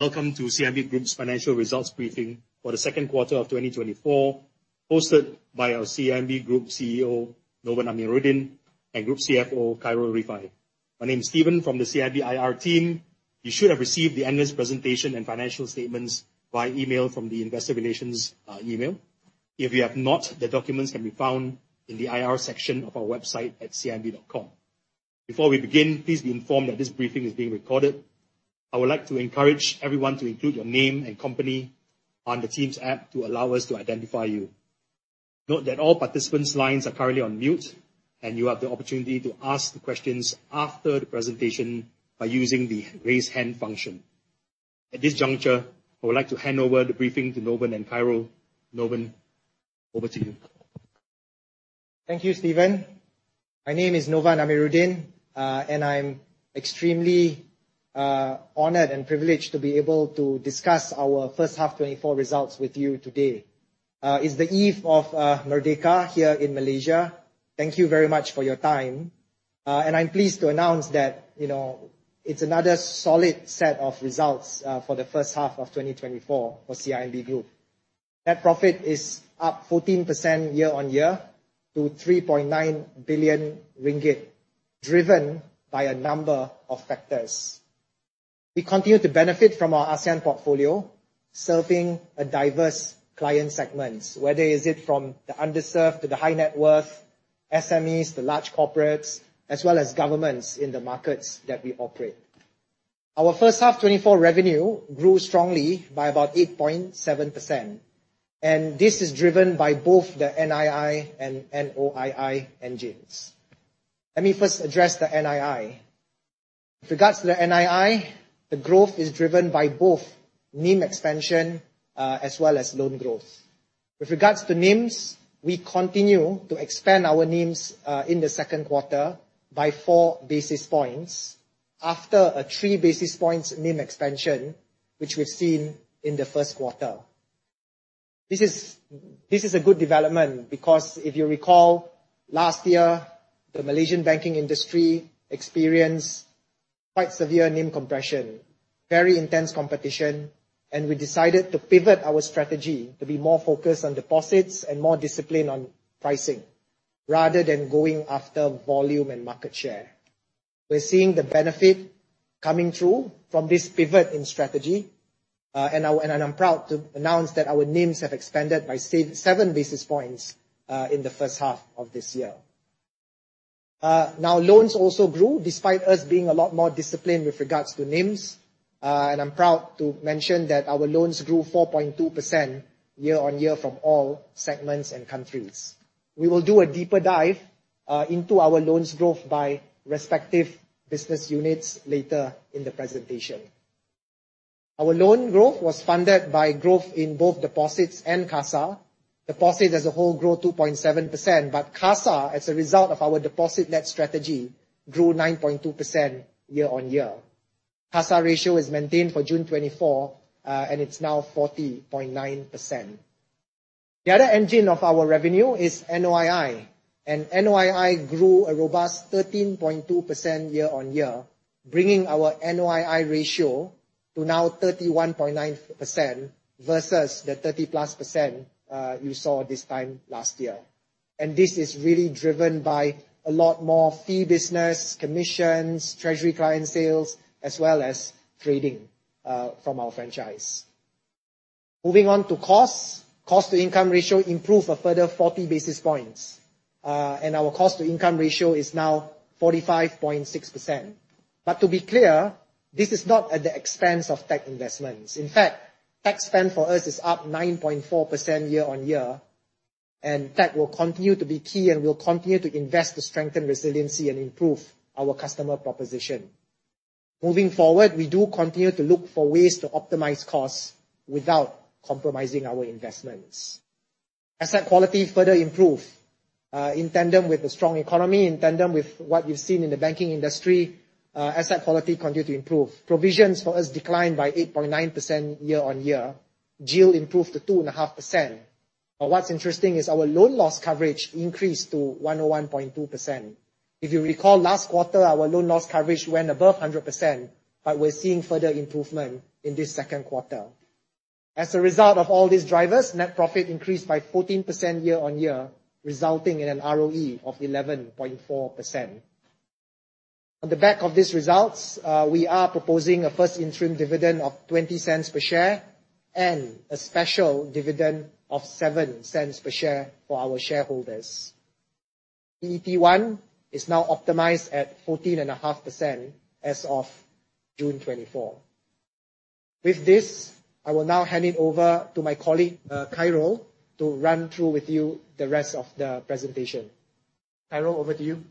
Welcome to CIMB Group's financial results briefing for the second quarter of 2024, hosted by our CIMB Group CEO, Novan Amirudin, and Group CFO, Khairul Rifaie. My name is Steven from the CIMB IR team. You should have received the analyst presentation and financial statements via email from the investor relations email. If you have not, the documents can be found in the IR section of our website at cimb.com. Before we begin, please be informed that this briefing is being recorded. I would like to encourage everyone to include your name and company on the Teams app to allow us to identify you. Note that all participants' lines are currently on mute, and you have the opportunity to ask the questions after the presentation by using the raise hand function. At this juncture, I would like to hand over the briefing to Novan and Khairul. Novan, over to you. Thank you, Steven. My name is Novan Amirudin, and I'm extremely honored and privileged to be able to discuss our first half 2024 results with you today. It's the eve of Merdeka here in Malaysia. Thank you very much for your time. I'm pleased to announce that it's another solid set of results for the first half of 2024 for CIMB Group. Net profit is up 14% year-on-year to 3.9 billion ringgit, driven by a number of factors. We continue to benefit from our ASEAN portfolio, serving a diverse client segments, whether is it from the underserved to the high net worth, SMEs to large corporates, as well as governments in the markets that we operate. Our first half 2024 revenue grew strongly by about 8.7%. This is driven by both the NII and NOII engines. Let me first address the NII. With regards to the NII, the growth is driven by both NIM expansion, as well as loan growth. With regards to NIMs, we continue to expand our NIMs in the second quarter by four basis points after a three basis points NIM expansion, which we've seen in the first quarter. This is a good development, because if you recall, last year, the Malaysian banking industry experienced quite severe NIM compression, very intense competition. We decided to pivot our strategy to be more focused on deposits and more discipline on pricing, rather than going after volume and market share. We're seeing the benefit coming through from this pivot in strategy. I'm proud to announce that our NIMs have expanded by seven basis points in the first half of this year. Loans also grew despite us being a lot more disciplined with regards to NIMs. I'm proud to mention that our loans grew 4.2% year-on-year from all segments and countries. We will do a deeper dive into our loans growth by respective business units later in the presentation. Our loan growth was funded by growth in both deposits and CASA. Deposits as a whole grew 2.7%. CASA, as a result of our deposit net strategy, grew 9.2% year-on-year. CASA ratio is maintained for June 2024, and it's now 40.9%. The other engine of our revenue is NOII. NOII grew a robust 13.2% year-on-year, bringing our NOII ratio to now 31.9% versus the 30-plus% you saw this time last year. This is really driven by a lot more fee business, commissions, treasury client sales, as well as trading from our franchise. Moving on to costs. Cost to income ratio improved a further 40 basis points. CIR is now 45.6%. To be clear, this is not at the expense of tech investments. In fact, tech spend for us is up 9.4% year-on-year, tech will continue to be key, and we'll continue to invest to strengthen resiliency and improve our customer proposition. Moving forward, we do continue to look for ways to optimize costs without compromising our investments. Asset quality further improved. In tandem with a strong economy, in tandem with what you've seen in the banking industry, asset quality continued to improve. Provisions for us declined by 8.9% year-on-year. GIL improved to 2.5%. What's interesting is our loan loss coverage increased to 101.2%. If you recall last quarter, our loan loss coverage went above 100%, but we're seeing further improvement in this second quarter. As a result of all these drivers, net profit increased by 14% year-on-year, resulting in an ROE of 11.4%. On the back of these results, we are proposing a first interim dividend of 0.20 per share and a special dividend of 0.07 per share for our shareholders. PEP One is now optimized at 14.5% as of June 2024. With this, I will now hand it over to my colleague, Khairul, to run through with you the rest of the presentation. Khairul, over to you.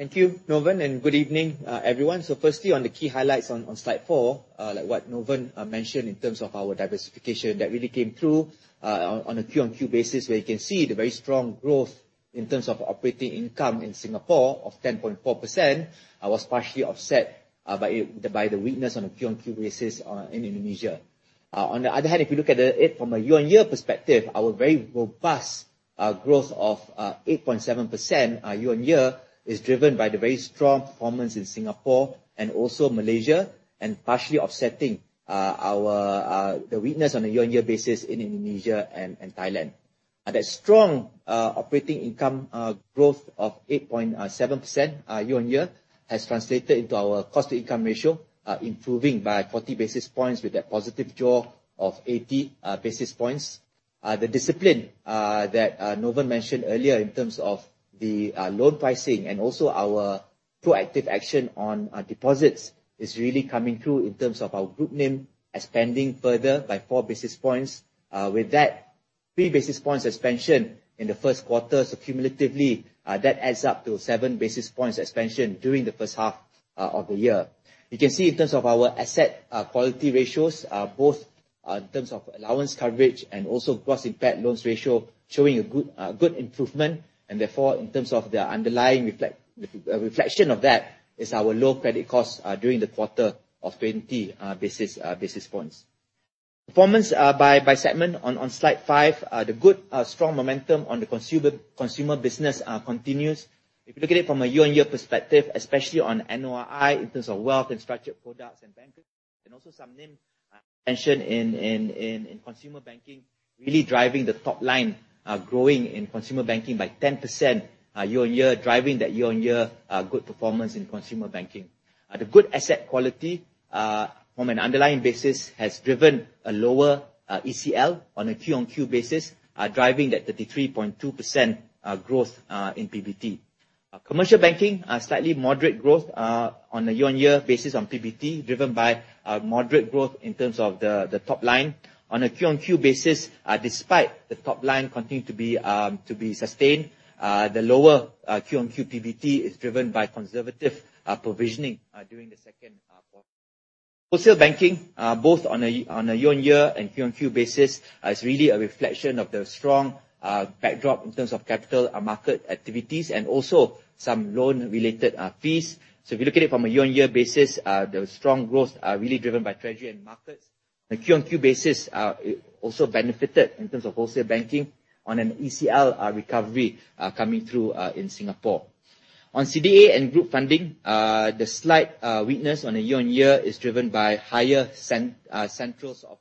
Thank you, Novan, and good evening, everyone. Firstly, on the key highlights on slide four, like what Novan mentioned in terms of our diversification, that really came through on a quarter-on-quarter basis, where you can see the very strong growth in terms of operating income in Singapore of 10.4%, was partially offset by the weakness on a quarter-on-quarter basis in Indonesia. On the other hand, if you look at it from a year-on-year perspective, our very robust growth of 8.7% year-on-year is driven by the very strong performance in Singapore and also Malaysia, partially offsetting the weakness on a year-on-year basis in Indonesia and Thailand. That strong operating income growth of 8.7% year-on-year has translated into our CIR improving by 40 basis points with that positive jaw of 80 basis points. The discipline that Novan mentioned earlier in terms of the loan pricing and also our proactive action on deposits is really coming through in terms of our group NIM expanding further by four basis points. With that, three basis points expansion in the first quarter. Cumulatively, that adds up to seven basis points expansion during the first half of the year. You can see in terms of our asset quality ratios, both in terms of allowance coverage and also gross impaired loans ratio, showing a good improvement. Therefore, in terms of the underlying reflection of that is our lower credit costs during the quarter of 20 basis points. Performance by segment on Slide five. The good, strong momentum on the consumer business continues. If you look at it from a year-on-year perspective, especially on NOI, in terms of wealth and structured products and banking, and also some NIM expansion in consumer banking, really driving the top line, growing in consumer banking by 10% year-on-year, driving that year-on-year good performance in consumer banking. The good asset quality from an underlying basis has driven a lower ECL on a Q on Q basis, driving that 33.2% growth in PBT. Commercial banking, a slightly moderate growth on a year-on-year basis on PBT, driven by moderate growth in terms of the top line. On a Q on Q basis, despite the top line continuing to be sustained, the lower Q on Q PBT is driven by conservative provisioning during the second quarter. Wholesale banking, both on a year-on-year and Q on Q basis, is really a reflection of the strong backdrop in terms of capital market activities and also some loan-related fees. If you look at it from a year-on-year basis, the strong growth really driven by treasury and markets. The Q on Q basis also benefited in terms of wholesale banking on an ECL recovery coming through in Singapore. On CDA and group funding, the slight weakness on a year-on-year is driven by higher centrals of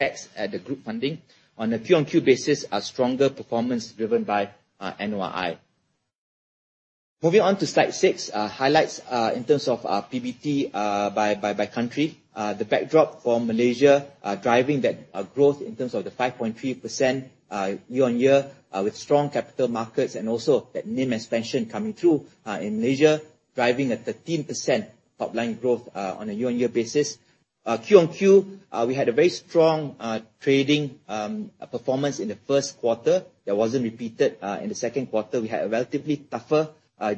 OPEX at the group funding. On a Q on Q basis, a stronger performance driven by NOI. Moving on to Slide six, highlights in terms of PBT by country. The backdrop for Malaysia, driving that growth in terms of the 5.3% year-on-year with strong capital markets and also that NIM expansion coming through in Malaysia, driving a 13% top-line growth on a year-on-year basis. Q on Q, we had a very strong trading performance in the first quarter that wasn't repeated in the second quarter. We had a relatively tougher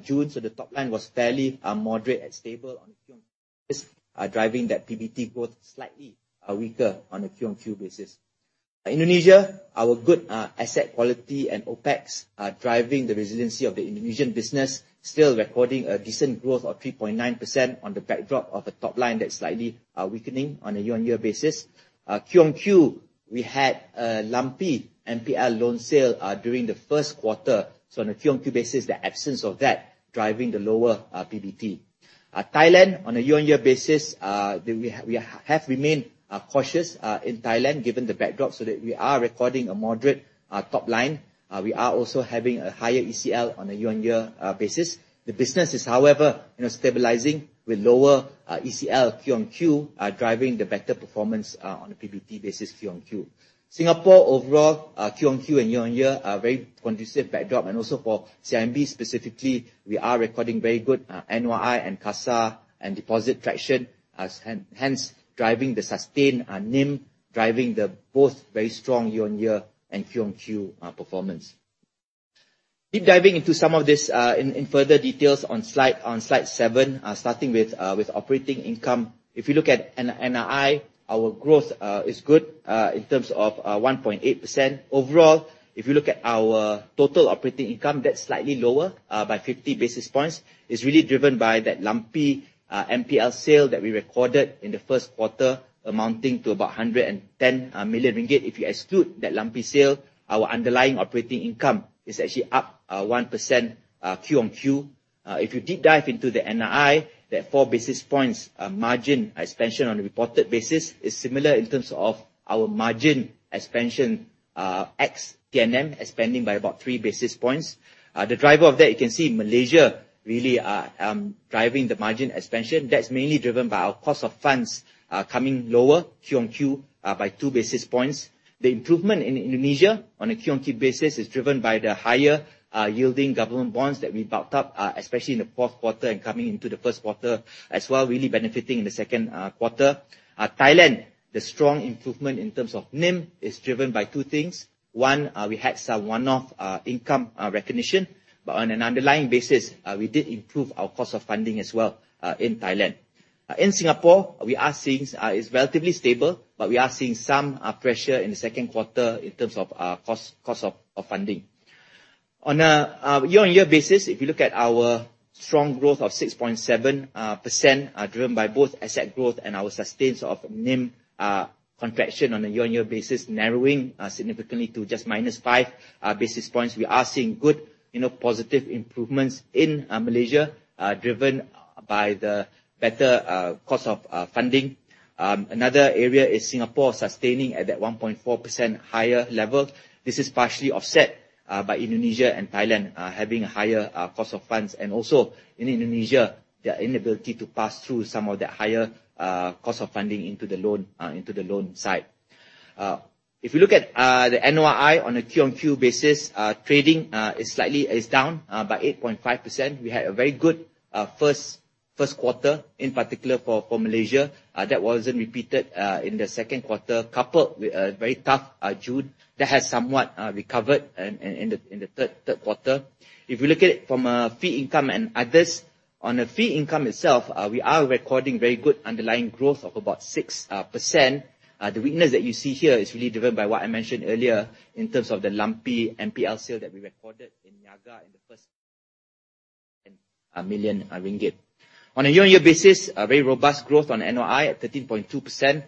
June. The top line was fairly moderate and stable on a Q on Q basis, driving that PBT growth slightly weaker on a Q on Q basis. Indonesia, our good asset quality and OPEX are driving the resiliency of the Indonesian business, still recording a decent growth of 3.9% on the backdrop of a top line that's slightly weakening on a year-on-year basis. Q on Q, we had a lumpy NPL loan sale during the first quarter. On a Q on Q basis, the absence of that driving the lower PBT. Thailand, on a year-on-year basis, we have remained cautious in Thailand given the backdrop. We are recording a moderate top line. We are also having a higher ECL on a year-on-year basis. The business is, however, stabilizing with lower ECL Q on Q, driving the better performance on a PBT basis Q on Q. Singapore overall, Q on Q and year-on-year, a very conducive backdrop. Also for CIMB specifically, we are recording very good NOI and CASA and deposit traction. Hence, driving the sustained NIM, driving the both very strong year-on-year and Q on Q performance. Deep diving into some of this in further details on Slide seven, starting with operating income. If you look at NII, our growth is good in terms of 1.8%. Overall, if you look at our total operating income, that's slightly lower by 50 basis points. It's really driven by that lumpy NPL sale that we recorded in the first quarter, amounting to about 110 million ringgit. If you exclude that lumpy sale, our underlying operating income is actually up 1% Q on Q. If you deep dive into the NII, that four basis points margin expansion on a reported basis is similar in terms of our margin expansion ex TNM, expanding by about three basis points. The driver of that, you can see Malaysia really are driving the margin expansion. That's mainly driven by our cost of funds coming lower Q on Q by two basis points. The improvement in Indonesia on a Q on Q basis is driven by the higher yielding government bonds that we bought up, especially in the fourth quarter and coming into the first quarter as well, really benefiting in the second quarter. Thailand, the strong improvement in terms of NIM is driven by two things. One, we had some one-off income recognition, but on an underlying basis, we did improve our cost of funding as well in Thailand. In Singapore, it's relatively stable, but we are seeing some pressure in the second quarter in terms of cost of funding. On a year-on-year basis, if you look at our strong growth of 6.7%, driven by both asset growth and our sustains of NIM contraction on a year-on-year basis, narrowing significantly to just minus five basis points. We are seeing good, positive improvements in Malaysia, driven by the better cost of funding. Another area is Singapore sustaining at that 1.4% higher level. This is partially offset by Indonesia and Thailand, having a higher cost of funds. Also in Indonesia, their inability to pass through some of that higher cost of funding into the loan side. If you look at the NOI on a Q on Q basis, trading is down by 8.5%. We had a very good first quarter, in particular for Malaysia, that wasn't repeated in the second quarter, coupled with a very tough June that has somewhat recovered in the third quarter. If you look at it from a fee income and others, on the fee income itself, we are recording very good underlying growth of about 6%. The weakness that you see here is really driven by what I mentioned earlier in terms of the lumpy NPL sale that we recorded in Niaga in the first million ringgit. On a year-on-year basis, a very robust growth on NOI at 13.2%.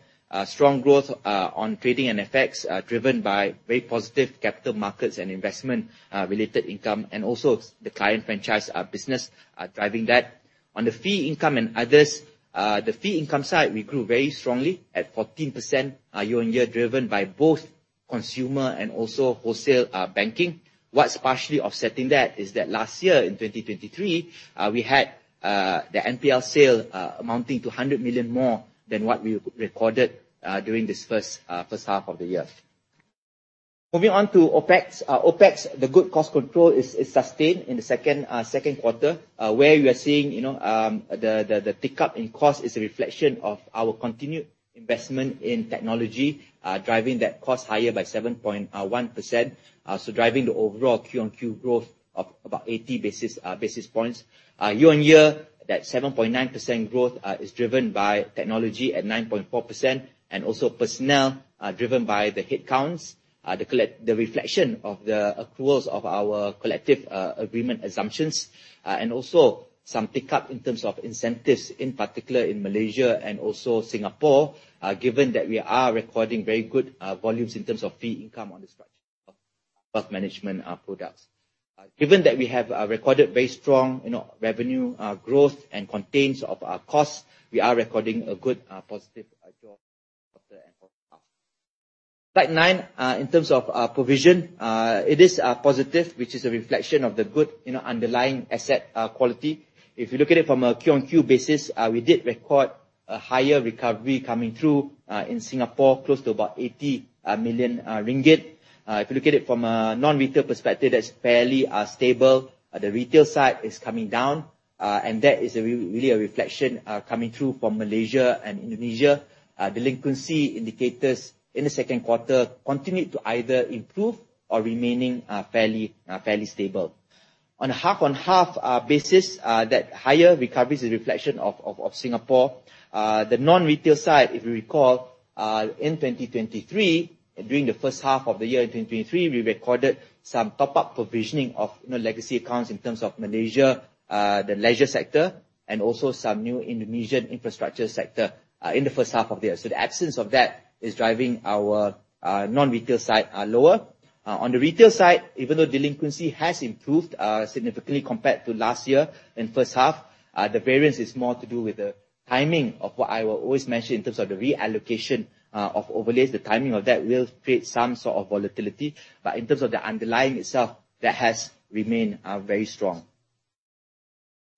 Strong growth on trading and FX, driven by very positive capital markets and investment related income, also the client franchise business driving that. On the fee income and others, the fee income side, we grew very strongly at 14% year-on-year, driven by both consumer and also wholesale banking. What's partially offsetting that is that last year, in 2023, we had the NPL sale amounting to 100 million more than what we recorded during this first half of the year. Moving on to OpEx. OpEx, the good cost control is sustained in the second quarter, where we are seeing the tick-up in cost is a reflection of our continued investment in technology, driving that cost higher by 7.1%. Driving the overall Q on Q growth of about 80 basis points. Year-on-year, that 7.9% growth is driven by technology at 9.4%, and also personnel, driven by the headcounts, the reflection of the accruals of our collective agreement assumptions, and also some tick-up in terms of incentives, in particular in Malaysia and also Singapore, given that we are recording very good volumes in terms of fee income on this front of wealth management products. Given that we have recorded very strong revenue growth and contains of our costs, we are recording a good positive quarter and first half. Slide nine, in terms of provision, it is positive, which is a reflection of the good underlying asset quality. If you look at it from a quarter-on-quarter basis, we did record a higher recovery coming through in Singapore, close to about 80 million ringgit. If you look at it from a non-retail perspective, that is fairly stable. The retail side is coming down. That is really a reflection coming through from Malaysia and Indonesia. Delinquency indicators in the second quarter continue to either improve or remaining fairly stable. On a half-on-half basis, that higher recovery is a reflection of Singapore. The non-retail side, if you recall, in 2023, during the first half of the year in 2023, we recorded some top-up provisioning of legacy accounts in terms of Malaysia, the leisure sector, and also some new Indonesian infrastructure sector in the first half of the year. The absence of that is driving our non-retail side lower. On the retail side, even though delinquency has improved significantly compared to last year in the first half, the variance is more to do with the timing of what I will always mention in terms of the reallocation of overlays. The timing of that will create some sort of volatility. In terms of the underlying itself, that has remained very strong.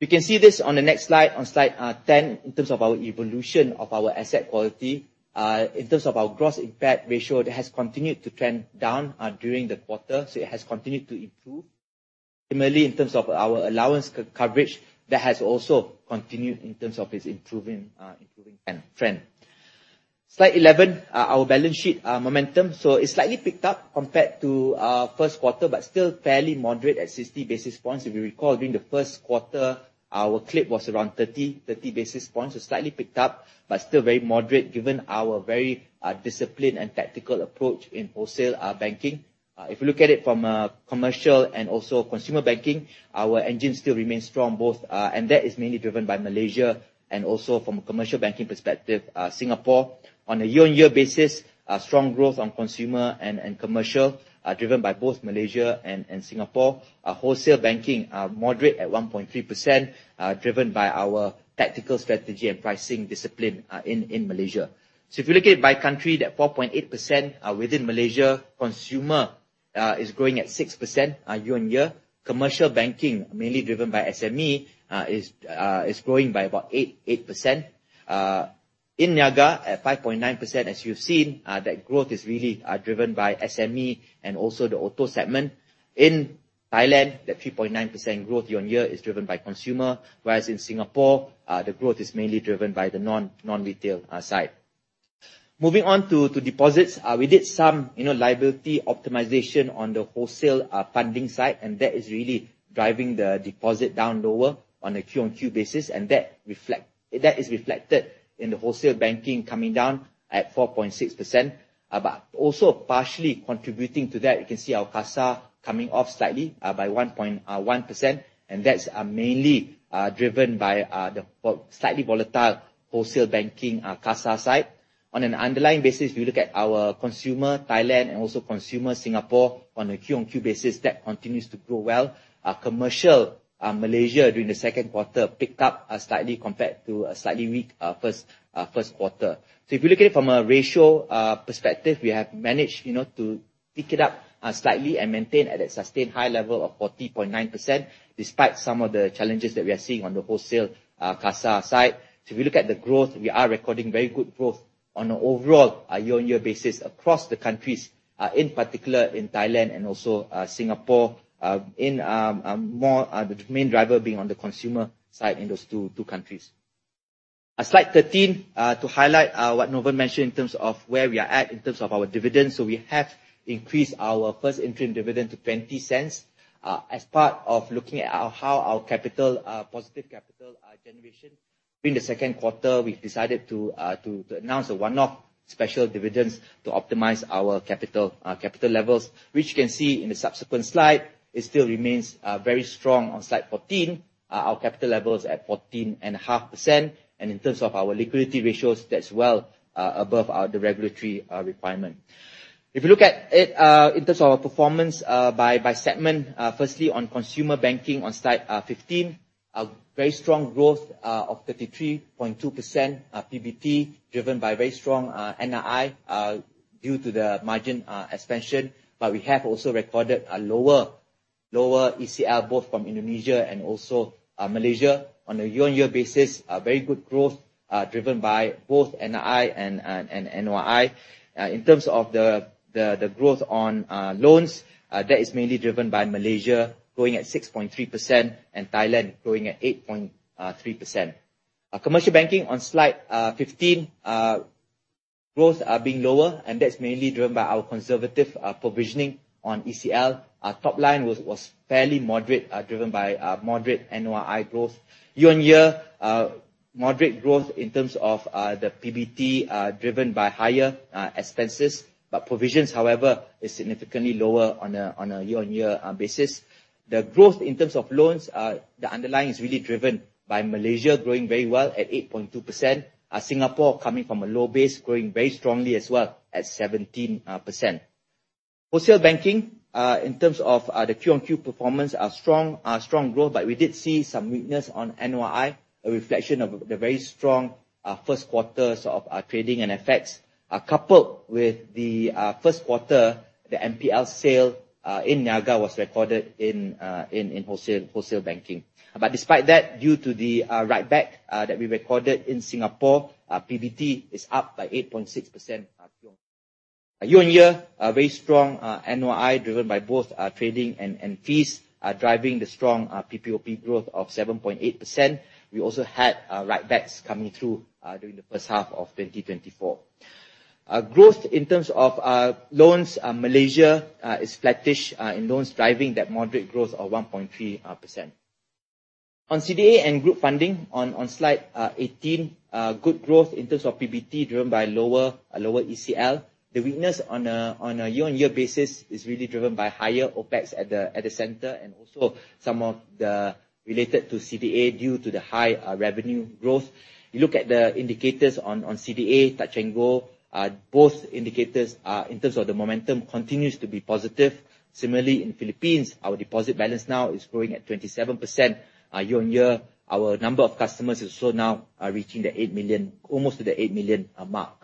We can see this on the next slide, on Slide 10, in terms of our evolution of our asset quality. In terms of our gross NPL ratio, that has continued to trend down during the quarter. It has continued to improve. Similarly, in terms of our allowance coverage, that has also continued in terms of its improving trend. Slide 11, our balance sheet momentum. It is slightly picked up compared to first quarter, but still fairly moderate at 60 basis points. If you recall, during the first quarter, our clip was around 30 basis points. Slightly picked up, but still very moderate given our very disciplined and tactical approach in Group Wholesale Banking. If you look at it from a commercial and also consumer banking, our engine still remains strong. That is mainly driven by Malaysia, and also from a commercial banking perspective, Singapore. On a year-on-year basis, strong growth on consumer and commercial, driven by both Malaysia and Singapore. Group Wholesale Banking, moderate at 1.3%, driven by our tactical strategy and pricing discipline in Malaysia. If you look at it by country, that 4.8% within Malaysia, consumer is growing at 6% year-on-year. Commercial banking, mainly driven by SME, is growing by about 8%. In CIMB Niaga, at 5.9%, as you have seen, that growth is really driven by SME and also the auto segment. In Thailand, that 3.9% growth year-on-year is driven by consumer, whereas in Singapore, the growth is mainly driven by the non-retail side. Moving on to deposits. We did some liability optimization on the wholesale funding side, that is really driving the deposit down lower on a Q on Q basis, and that is reflected in the wholesale banking coming down at 4.6%. Also partially contributing to that, you can see our CASA coming off slightly by 1.1%, and that is mainly driven by the slightly volatile wholesale banking CASA side. On an underlying basis, we look at our consumer, Thailand, and also consumer Singapore on a Q on Q basis, that continues to grow well. Commercial Malaysia during the second quarter picked up slightly compared to a slightly weak first quarter. If you look at it from a ratio perspective, we have managed to tick it up slightly and maintain at a sustained high level of 40.9%, despite some of the challenges that we are seeing on the wholesale CASA side. If you look at the growth, we are recording very good growth on an overall year-on-year basis across the countries, in particular in Thailand and also Singapore, the main driver being on the consumer side in those two countries. Slide 13, to highlight what Novan mentioned in terms of where we are at in terms of our dividends. We have increased our first interim dividend to 0.20 as part of looking at how our positive capital generation. During the second quarter, we have decided to announce a one-off special dividend to optimize our capital levels, which you can see in the subsequent slide. It still remains very strong on slide 14, our capital levels at 14.5%, and in terms of our liquidity ratios, that is well above the regulatory requirement. If you look at it in terms of our performance by segment, firstly, on consumer banking on slide 15, a very strong growth of 33.2% PBT, driven by very strong NII due to the margin expansion. We have also recorded a lower ECL, both from Indonesia and also Malaysia. On a year-on-year basis, a very good growth, driven by both NII and NOI. In terms of the growth on loans, that is mainly driven by Malaysia growing at 6.3% and Thailand growing at 8.3%. Commercial banking on slide 15, growth are being lower, that is mainly driven by our conservative provisioning on ECL. Our top line was fairly moderate, driven by moderate NOI growth. Year-on-year, moderate growth in terms of the PBT are driven by higher expenses, but provisions, however, is significantly lower on a year-on-year basis. The growth in terms of loans, the underlying is really driven by Malaysia growing very well at 8.2%, Singapore coming from a low base, growing very strongly as well at 17%. Wholesale banking, in terms of the Q on Q performance, are strong growth, we did see some weakness on NOI, a reflection of the very strong first quarters of trading and effects. Coupled with the first quarter, the NPL sale in Niaga was recorded in wholesale banking. Despite that, due to the write-back that we recorded in Singapore, PBT is up by 8.6%. Year-on-year, very strong NOI, driven by both trading and fees, are driving the strong PPOP growth of 7.8%. We also had write-backs coming through during the first half of 2024. Growth in terms of loans, Malaysia is flattish in loans, driving that moderate growth of 1.3%. On CDA and group funding, on slide 18, good growth in terms of PBT, driven by lower ECL. The weakness on a year-on-year basis is really driven by higher OPEX at the center, and also some of the related to CDA due to the high revenue growth. You look at the indicators on CDA, Touch 'n Go, both indicators, in terms of the momentum, continues to be positive. Similarly, in Philippines, our deposit balance now is growing at 27% year-on-year. Our number of customers is also now reaching almost to the 8 million mark.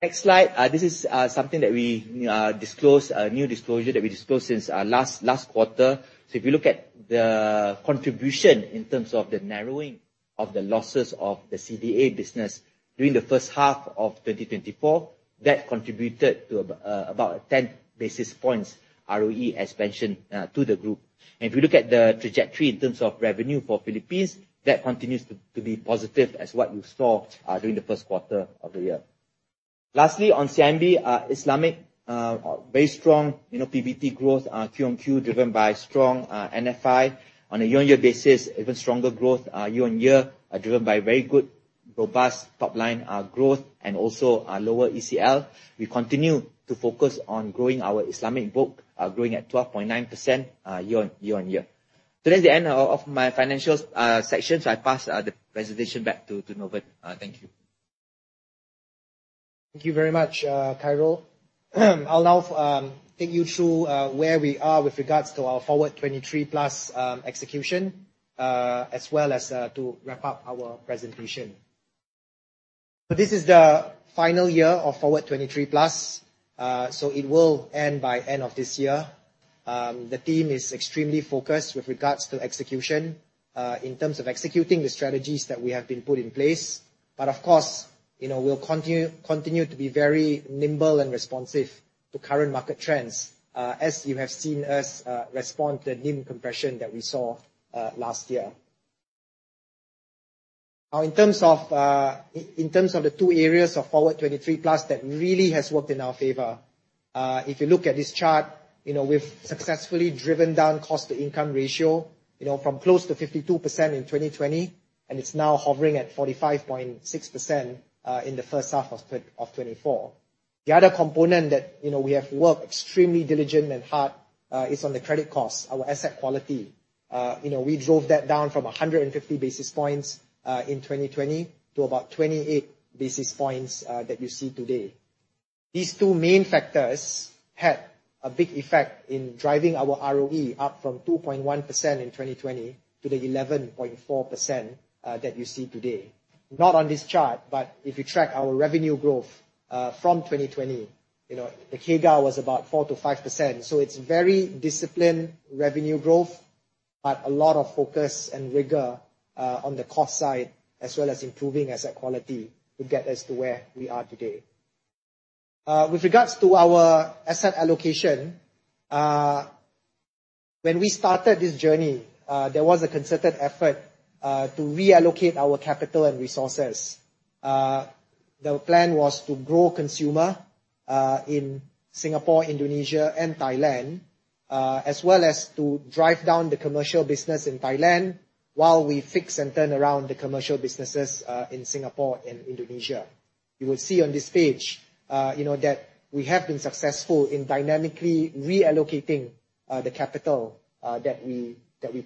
Next slide. This is something that we disclose, a new disclosure that we disclosed since last quarter. If you look at the contribution in terms of the narrowing of the losses of the CDA business during the first half of 2024, that contributed to about a 10 basis points ROE expansion to the group. If you look at the trajectory in terms of revenue for Philippines, that continues to be positive as what you saw during the first quarter of the year. Lastly, on CIMB Islamic, very strong PBT growth Q on Q, driven by strong NFI. On a year-on-year basis, even stronger growth year-on-year, driven by very good, robust top-line growth and also lower ECL. We continue to focus on growing our Islamic book, growing at 12.9% year-on-year. That's the end of my financial section. I pass the presentation back to Novan. Thank you. Thank you very much, Khairul. I'll now take you through where we are with regards to our Forward23+ execution, as well as to wrap up our presentation. This is the final year of Forward23+. It will end by end of this year. The team is extremely focused with regards to execution, in terms of executing the strategies that we have been put in place. Of course, we'll continue to be very nimble and responsive to current market trends, as you have seen us respond to the NIM compression that we saw last year. In terms of the two areas of Forward23+ that really has worked in our favor If you look at this chart, we've successfully driven down cost-to-income ratio from close to 52% in 2020, and it's now hovering at 45.6% in the first half of 2024. The other component that we have worked extremely diligent and hard is on the credit cost, our asset quality. We drove that down from 150 basis points in 2020 to about 28 basis points that you see today. These two main factors had a big effect in driving our ROE up from 2.1% in 2020 to the 11.4% that you see today. Not on this chart, but if you track our revenue growth from 2020, the CAGR was about 4%-5%. It's very disciplined revenue growth, a lot of focus and rigor on the cost side, as well as improving asset quality to get us to where we are today. With regards to our asset allocation, when we started this journey, there was a concerted effort to reallocate our capital and resources. The plan was to grow consumer in Singapore, Indonesia, and Thailand, as well as to drive down the commercial business in Thailand while we fix and turn around the commercial businesses in Singapore and Indonesia. You will see on this page that we have been successful in dynamically reallocating the capital that we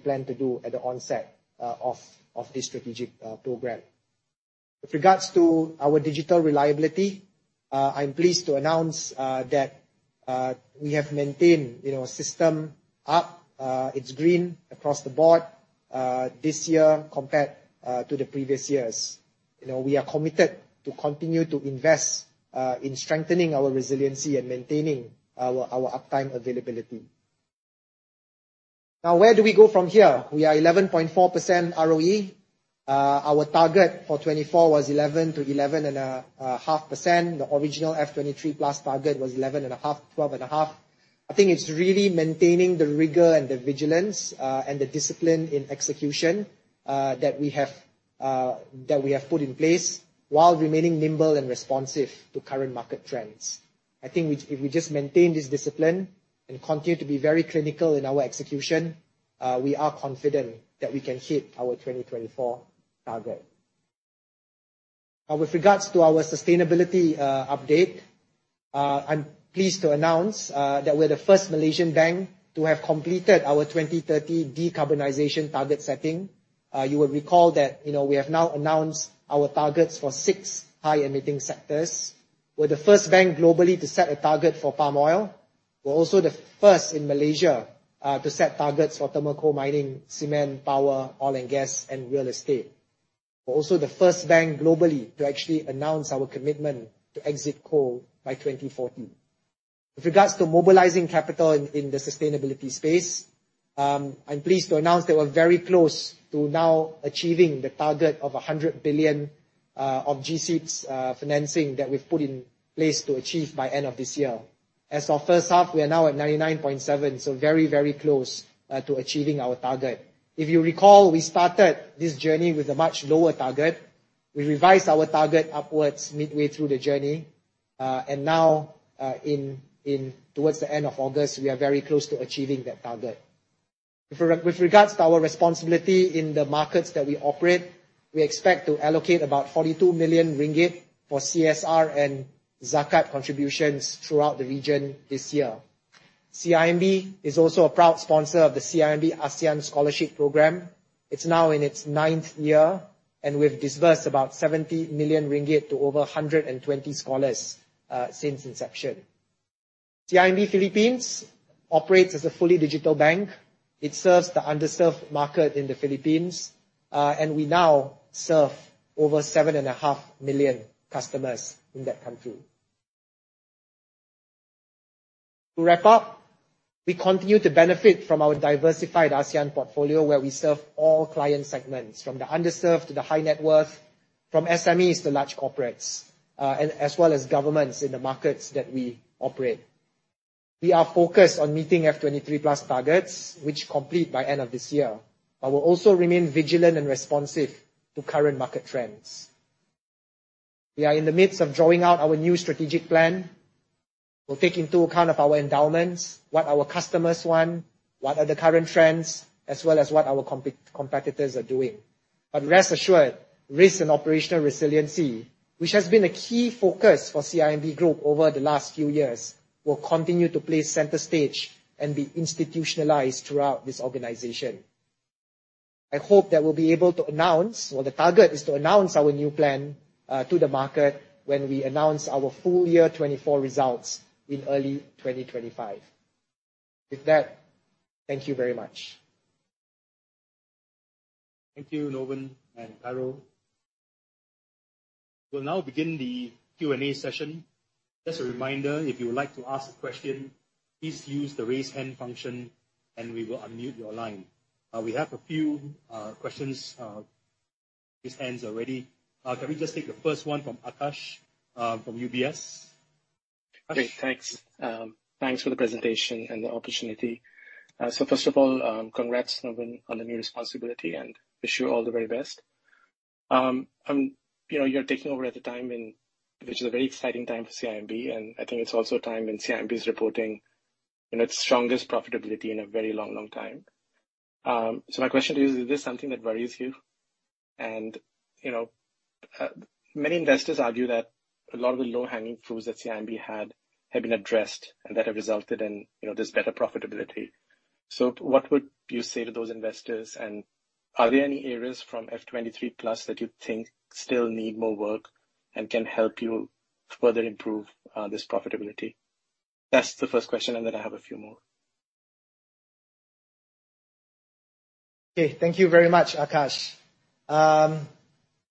plan to do at the onset of this strategic program. With regards to our digital reliability, I am pleased to announce that we have maintained system up. It is green across the board this year compared to the previous years. We are committed to continue to invest in strengthening our resiliency and maintaining our uptime availability. Where do we go from here? We are 11.4% ROE. Our target for 2024 was 11%-11.5%. The original F23+ target was 11.5%-12.5%. It is really maintaining the rigor and the vigilance, and the discipline in execution that we have put in place while remaining nimble and responsive to current market trends. If we just maintain this discipline and continue to be very clinical in our execution, we are confident that we can hit our 2024 target. With regards to our sustainability update, I am pleased to announce that we are the first Malaysian bank to have completed our 2030 decarbonization target setting. You will recall that we have now announced our targets for six high-emitting sectors. We are the first bank globally to set a target for palm oil. We are also the first in Malaysia to set targets for thermal coal mining, cement, power, oil and gas, and real estate. We are also the first bank globally to actually announce our commitment to exit coal by 2040. With regards to mobilizing capital in the sustainability space, I am pleased to announce that we are very close to now achieving the target of 100 billion of GCAP's financing that we have put in place to achieve by end of this year. As of first half, we are now at 99.7 billion. Very, very close to achieving our target. If you recall, we started this journey with a much lower target. We revised our target upwards midway through the journey. Towards the end of August, we are very close to achieving that target. With regards to our responsibility in the markets that we operate, we expect to allocate about 42 million ringgit for CSR and Zakat contributions throughout the region this year. CIMB is also a proud sponsor of the CIMB ASEAN Scholarship program. It is now in its ninth year, We have disbursed about 70 million ringgit to over 120 scholars since inception. CIMB Philippines operates as a fully digital bank. It serves the underserved market in the Philippines, and we now serve over 7.5 million customers in that country. To wrap up, we continue to benefit from our diversified ASEAN portfolio, where we serve all client segments, from the underserved to the high net worth, from SMEs to large corporates, as well as governments in the markets that we operate. We are focused on meeting F23+ targets, which complete by end of this year, We will also remain vigilant and responsive to current market trends. We are in the midst of drawing out our new strategic plan. We will take into account of our endowments, what our customers want, what are the current trends, as well as what our competitors are doing. Rest assured, risk and operational resiliency, which has been a key focus for CIMB Group over the last few years, will continue to play center stage and be institutionalized throughout this organization. I hope that we'll be able to announce, or the target is to announce our new plan to the market, when we announce our full year 2024 results in early 2025. With that, thank you very much. Thank you, Novan and Daryl. We'll now begin the Q&A session. Just a reminder, if you would like to ask a question, please use the raise hand function and we will unmute your line. We have a few questions, raised hands already. Can we just take the first one from Akaash from UBS? Akaash Great. Thanks. Thanks for the presentation and the opportunity. First of all, congrats, Novan, on the new responsibility, and wish you all the very best. You're taking over at the time, which is a very exciting time for CIMB, and I think it's also a time when CIMB is reporting its strongest profitability in a very long time. My question to you is this something that worries you? Many investors argue that a lot of the low-hanging fruits that CIMB had have been addressed and that have resulted in this better profitability. What would you say to those investors, and are there any areas from F23+ that you think still need more work and can help you further improve this profitability? That's the first question, and then I have a few more. Okay, thank you very much, Akaash.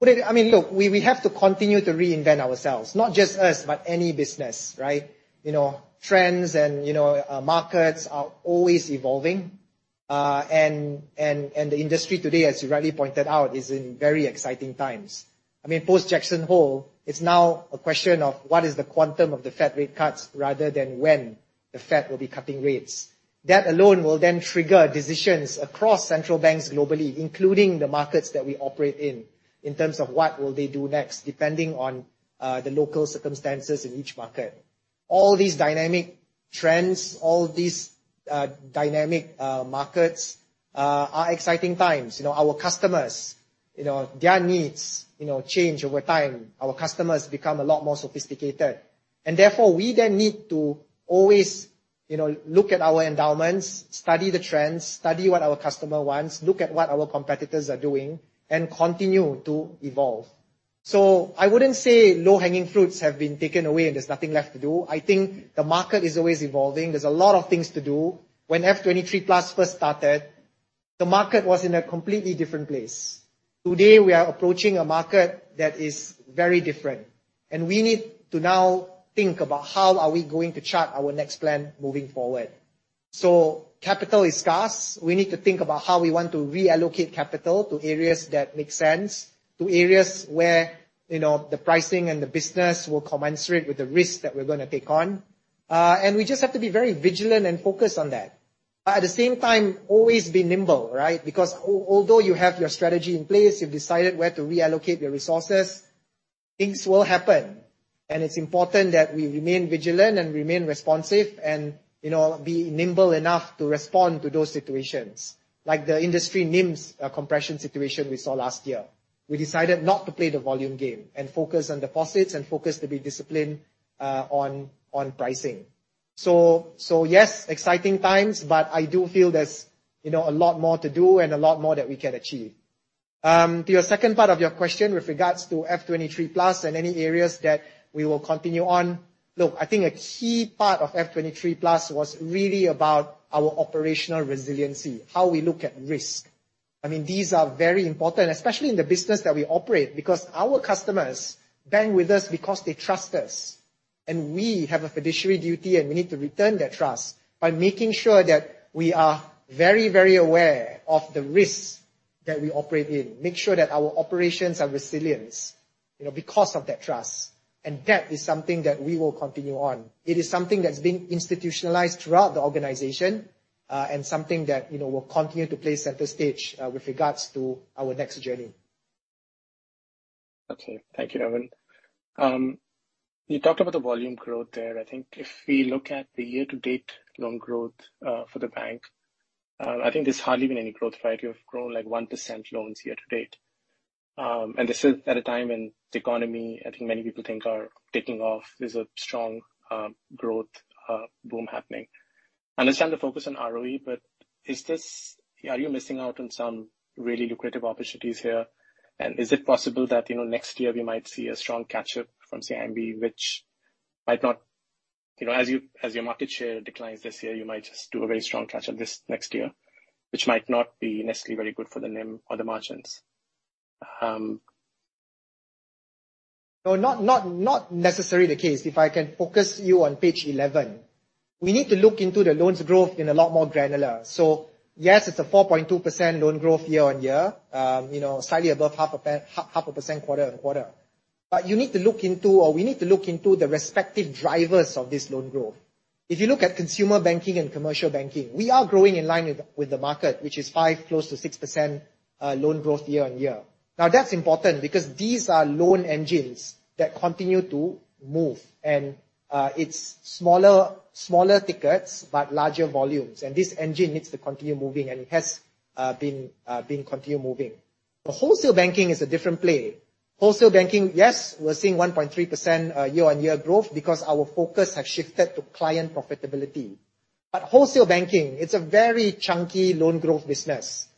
Look, we have to continue to reinvent ourselves. Not just us, but any business, right? Trends and markets are always evolving. The industry today, as you rightly pointed out, is in very exciting times. Post-Jackson Hole, it's now a question of what is the quantum of the Fed rate cuts, rather than when the Fed will be cutting rates. That alone will then trigger decisions across central banks globally, including the markets that we operate in terms of what will they do next, depending on the local circumstances in each market. All these dynamic trends, all these dynamic markets are exciting times. Our customers, their needs change over time. Our customers become a lot more sophisticated. Therefore, we then need to always look at our endowments, study the trends, study what our customer wants, look at what our competitors are doing, and continue to evolve. I wouldn't say low-hanging fruits have been taken away and there's nothing left to do. I think the market is always evolving. There's a lot of things to do. When F23+ first started, the market was in a completely different place. Today, we are approaching a market that is very different, and we need to now think about how are we going to chart our next plan moving forward. Capital is scarce. We need to think about how we want to reallocate capital to areas that make sense, to areas where the pricing and the business will commensurate with the risk that we're going to take on. We just have to be very vigilant and focused on that. At the same time, always be nimble, right? Because although you have your strategy in place, you've decided where to reallocate your resources, things will happen. It's important that we remain vigilant and remain responsive and be nimble enough to respond to those situations. Like the industry NIM compression situation we saw last year. We decided not to play the volume game and focus on deposits and focus to be disciplined on pricing. Yes, exciting times, but I do feel there's a lot more to do and a lot more that we can achieve. To your second part of your question with regards to F23+ and any areas that we will continue on, look, I think a key part of F23+ was really about our operational resiliency, how we look at risk. These are very important, especially in the business that we operate, because our customers bank with us because they trust us, and we have a fiduciary duty, and we need to return that trust by making sure that we are very aware of the risks that we operate in, make sure that our operations are resilient because of that trust. That is something that we will continue on. It is something that's being institutionalized throughout the organization and something that will continue to play center stage with regards to our next journey. Okay. Thank you, Gavin. You talked about the volume growth there. I think if we look at the year-to-date loan growth for the bank, I think there's hardly been any growth, right? You have grown 1% loans year to date. This is at a time when the economy, I think, many people think are taking off. There's a strong growth boom happening. Understand the focus on ROE, but are you missing out on some really lucrative opportunities here? Is it possible that, next year, we might see a strong catch-up from CIMB, which might not, as your market share declines this year, you might just do a very strong catch-up this next year, which might not be necessarily very good for the NIM or the margins. Not necessarily the case. If I can focus you on page 11, we need to look into the loans growth in a lot more granular. Yes, it's a 4.2% loan growth year-on-year, slightly above half a percent quarter-on-quarter. You need to look into, or we need to look into the respective drivers of this loan growth. If you look at consumer banking and commercial banking, we are growing in line with the market, which is 5%, close to 6% loan growth year-on-year. That's important because these are loan engines that continue to move, and it's smaller tickets, but larger volumes, and this engine needs to continue moving, and it has been moving. Wholesale Banking is a different play. Wholesale Banking, yes, we're seeing 1.3% year-on-year growth because our focus has shifted to client profitability. Wholesale Banking, it's a very chunky loan growth business.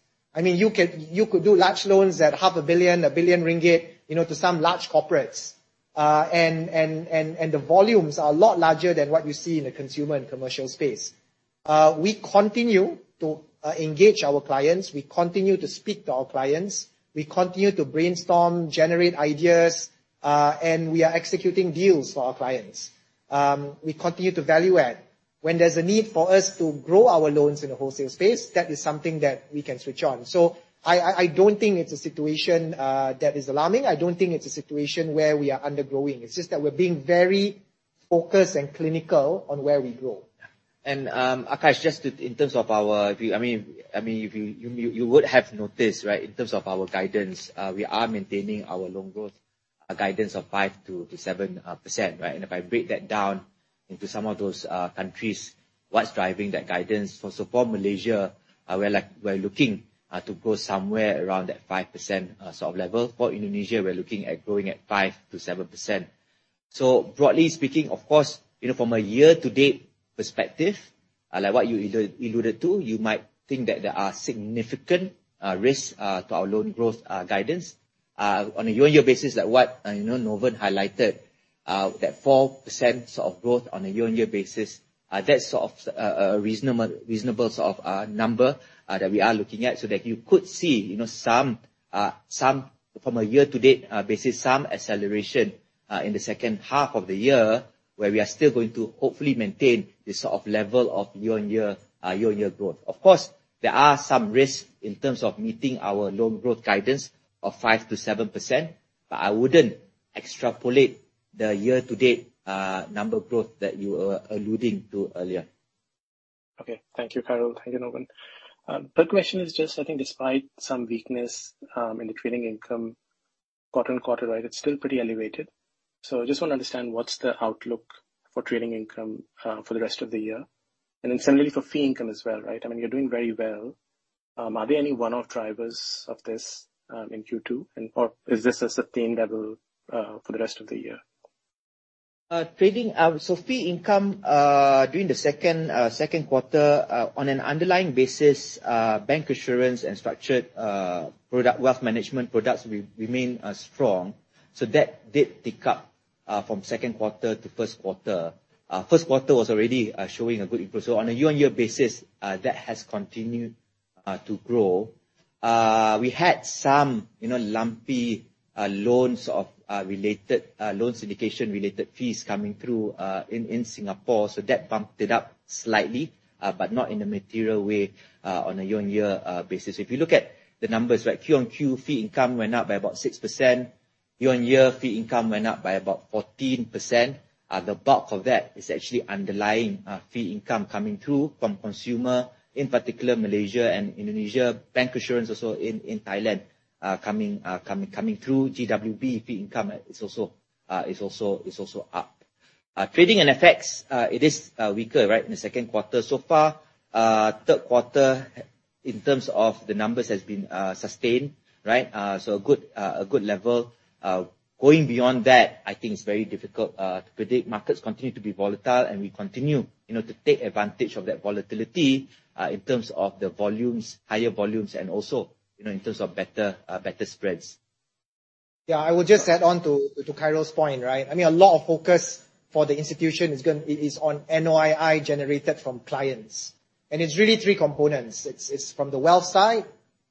You could do large loans at half a billion, 1 billion ringgit, to some large corporates. The volumes are a lot larger than what you see in the consumer and commercial space. We continue to engage our clients, we continue to speak to our clients, we continue to brainstorm, generate ideas, and we are executing deals for our clients. We continue to value add. When there's a need for us to grow our loans in the wholesale space, that is something that we can switch on. I don't think it's a situation that is alarming. I don't think it's a situation where we are under-growing. It's just that we're being very focused and clinical on where we grow. Akaash, you would have noticed, in terms of our guidance, we are maintaining our loan growth, our guidance of 5%-7%. If I break that down into some of those countries, what's driving that guidance, for Malaysia, we're looking to grow somewhere around that 5% sort of level. For Indonesia, we're looking at growing at 5%-7%. Broadly speaking, of course, from a year-to-date perspective, like what you alluded to, you might think that there are significant risks to our loan growth guidance. On a year-on-year basis, like what Novan highlighted, that 4% of growth on a year-on-year basis, that's reasonable sort of number that we are looking at, that you could see from a year-to-date basis, some acceleration in the second half of the year, where we are still going to hopefully maintain this level of year-on-year growth. Of course, there are some risks in terms of meeting our loan growth guidance of 5%-7%, I wouldn't extrapolate the year-to-date number growth that you were alluding to earlier. Okay. Thank you, Khairul. Thank you, Novan. Third question is just, I think despite some weakness in the trading income quarter-on-quarter, it's still pretty elevated. I just want to understand what's the outlook for trading income for the rest of the year, and then similarly for fee income as well, right? I mean, you're doing very well. Are there any one-off drivers of this in Q2 or is this a sustained level for the rest of the year? Fee income, during the second quarter, on an underlying basis, bank assurance and structured wealth management products remain strong. That did tick up from second quarter to first quarter. First quarter was already showing a good input. On a year-on-year basis, that has continued to grow. We had some lumpy loans syndication-related fees coming through in Singapore. That bumped it up slightly, but not in a material way on a year-on-year basis. If you look at the numbers, Q-on-Q, fee income went up by about 6%. Year-on-year, fee income went up by about 14%. The bulk of that is actually underlying fee income coming through from consumer, in particular, Malaysia and Indonesia, bank assurance also in Thailand, coming through GWB fee income is also up. Trading and FX, it is weaker in the second quarter so far. Third quarter, in terms of the numbers, has been sustained, a good level. Going beyond that, I think it's very difficult to predict. Markets continue to be volatile. We continue to take advantage of that volatility, in terms of the higher volumes and also, in terms of better spreads. I will just add on to Khairul's point. A lot of focus for the institution is on NOII generated from clients. It's really three components. It's from the wealth side,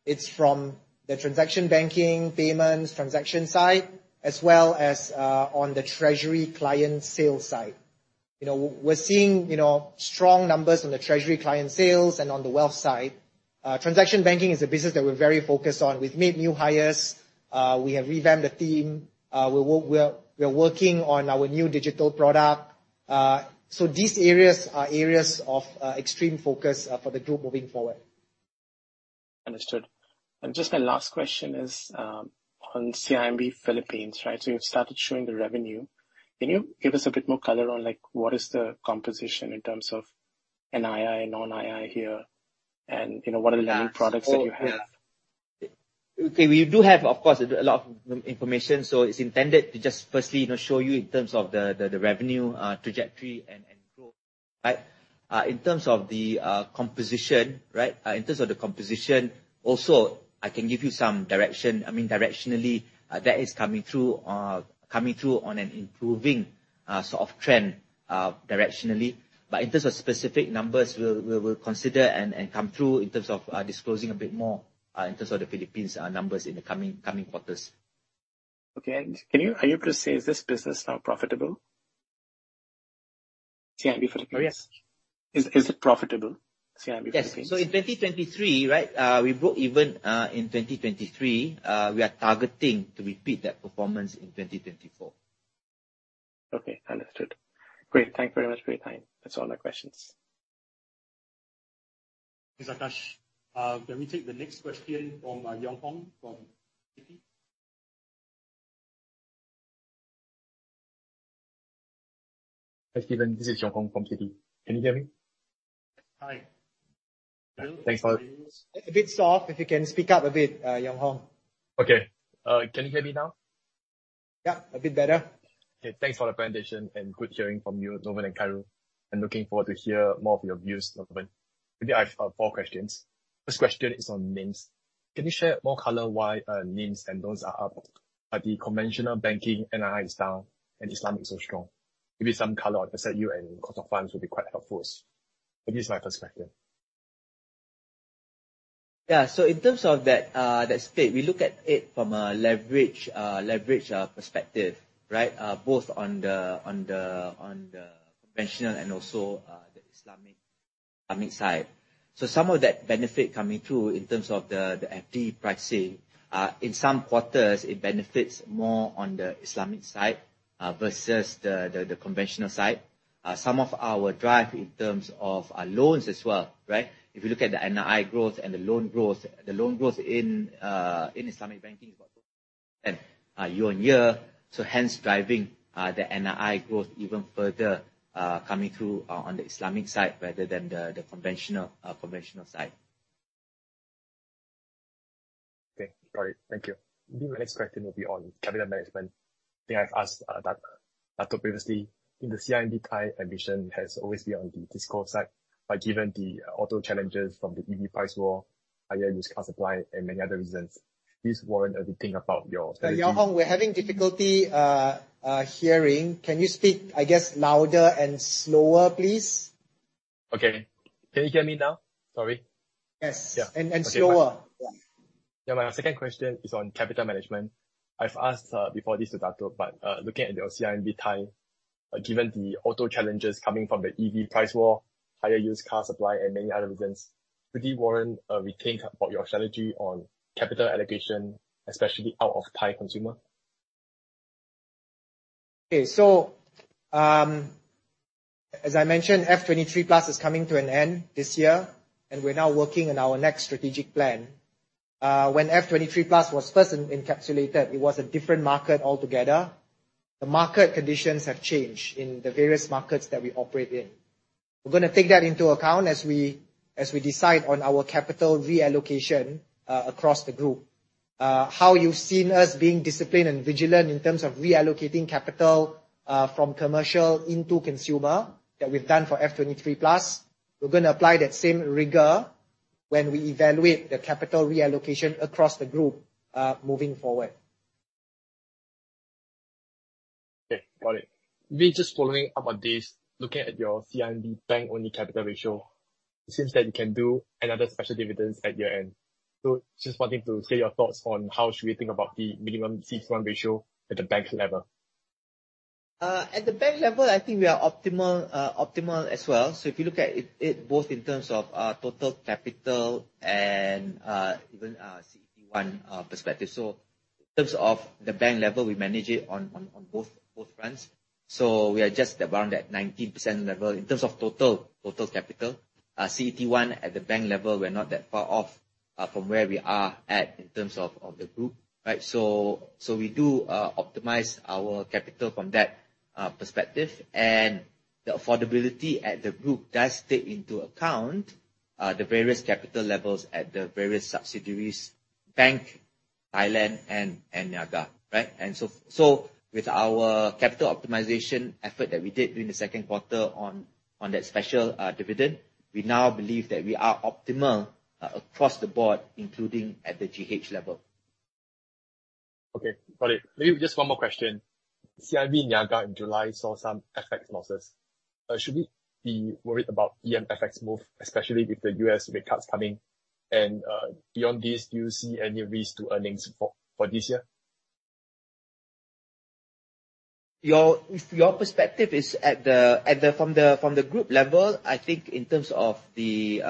it's from the transaction banking, payments, transaction side, as well as on the treasury client sales side. We're seeing strong numbers on the treasury client sales and on the wealth side. Transaction banking is a business that we're very focused on. We've made new hires. We have revamped the team. We're working on our new digital product. These areas are areas of extreme focus for the group moving forward. Just my last question is on CIMB Philippines. You've started showing the revenue. Can you give us a bit more color on what is the composition in terms of NII, non-NII here, and what are the main products that you have? Okay. We do have, of course, a lot of information. It's intended to just firstly show you in terms of the revenue trajectory and growth. In terms of the composition, also, I can give you some direction. Directionally, that is coming through on an improving sort of trend directionally. In terms of specific numbers, we'll consider and come through in terms of disclosing a bit more, in terms of the Philippines numbers in the coming quarters. Okay. Are you able to say, is this business now profitable? CIMB Philippines. Oh, yes. Is it profitable, CIMB Philippines? Yes. In 2023, we broke even in 2023. We are targeting to repeat that performance in 2024. Understood. Great. Thank you very much for your time. That's all my questions. Thanks, Akaash. Can we take the next question from Yong Hong from KAF? Thanks, Steven. This is Yong Hong from KAF. Can you hear me? Hi. Thanks for- It's a bit soft. If you can speak up a bit, Yong Hong. Okay. Can you hear me now? Yeah, a bit better. Okay, thanks for the presentation and good hearing from you, Novan and Khairul. I'm looking forward to hear more of your views, Novan. Today, I have four questions. First question is on NIMs. Can you share more color why NIMs and loans are up, but the conventional banking NII is down and Islamic is so strong? Maybe some color on asset yield and cost of funds would be quite helpful. This is my first question. Yeah, in terms of that split, we look at it from a leverage perspective, both on the conventional and also the Islamic side. Some of that benefit coming through in terms of the FD pricing, in some quarters, it benefits more on the Islamic side versus the conventional side. Some of our drive in terms of our loans as well, right? If you look at the NII growth and the loan growth, the loan growth in Islamic banking is about and year on year, hence driving the NII growth even further, coming through on the Islamic side rather than the conventional side. Okay, got it. Thank you. Maybe my next question will be on capital management. I think I've asked Dato' previously. In the CIMB Thai ambition has always been on the fiscal side, given the auto challenges from the EV price war, higher used car supply, and many other reasons, please warrant anything about your strategy- Yong Hong, we're having difficulty hearing. Can you speak, I guess, louder and slower, please? Okay. Can you hear me now? Sorry. Yes. Yeah. Slower. Yeah. Yeah. My second question is on capital management. I've asked, before this to Dato', but looking at your CIMB Thai, given the auto challenges coming from the EV price war, higher used car supply, and many other reasons, would it warrant a rethink about your strategy on capital allocation, especially out of Thai consumer? Okay. As I mentioned, F23+ is coming to an end this year, we're now working on our next strategic plan. When F23+ was first encapsulated, it was a different market altogether. The market conditions have changed in the various markets that we operate in. We're going to take that into account as we decide on our capital reallocation across the group. How you've seen us being disciplined and vigilant in terms of reallocating capital from commercial into consumer, that we've done for F23+, we're going to apply that same rigor when we evaluate the capital reallocation across the group, moving forward. Okay. Got it. Maybe just following up on this, looking at your CIMB bank-only capital ratio, it seems that you can do another special dividend at year-end. Just wanting to hear your thoughts on how should we think about the minimum CET1 ratio at the bank level? At the bank level, I think we are optimal as well. If you look at it both in terms of total capital and even CET1 perspective. In terms of the bank level, we manage it on both fronts. We are just around that 19% level in terms of total capital. CET1 at the bank level, we're not that far off from where we are at in terms of the group, right? We do optimize our capital from that perspective, and the affordability at the group does take into account the various capital levels at the various subsidiaries, CIMB Thai, and Niaga, right? With our capital optimization effort that we did during the second quarter on that special dividend, we now believe that we are optimal across the board, including at the GH level. Okay. Got it. Maybe just one more question. CIMB Niaga in July saw some FX losses. Should we be worried about EM FX move, especially with the U.S. rate cuts coming? Beyond this, do you see any risk to earnings for this year? If your perspective is from the Group level, I think in terms of the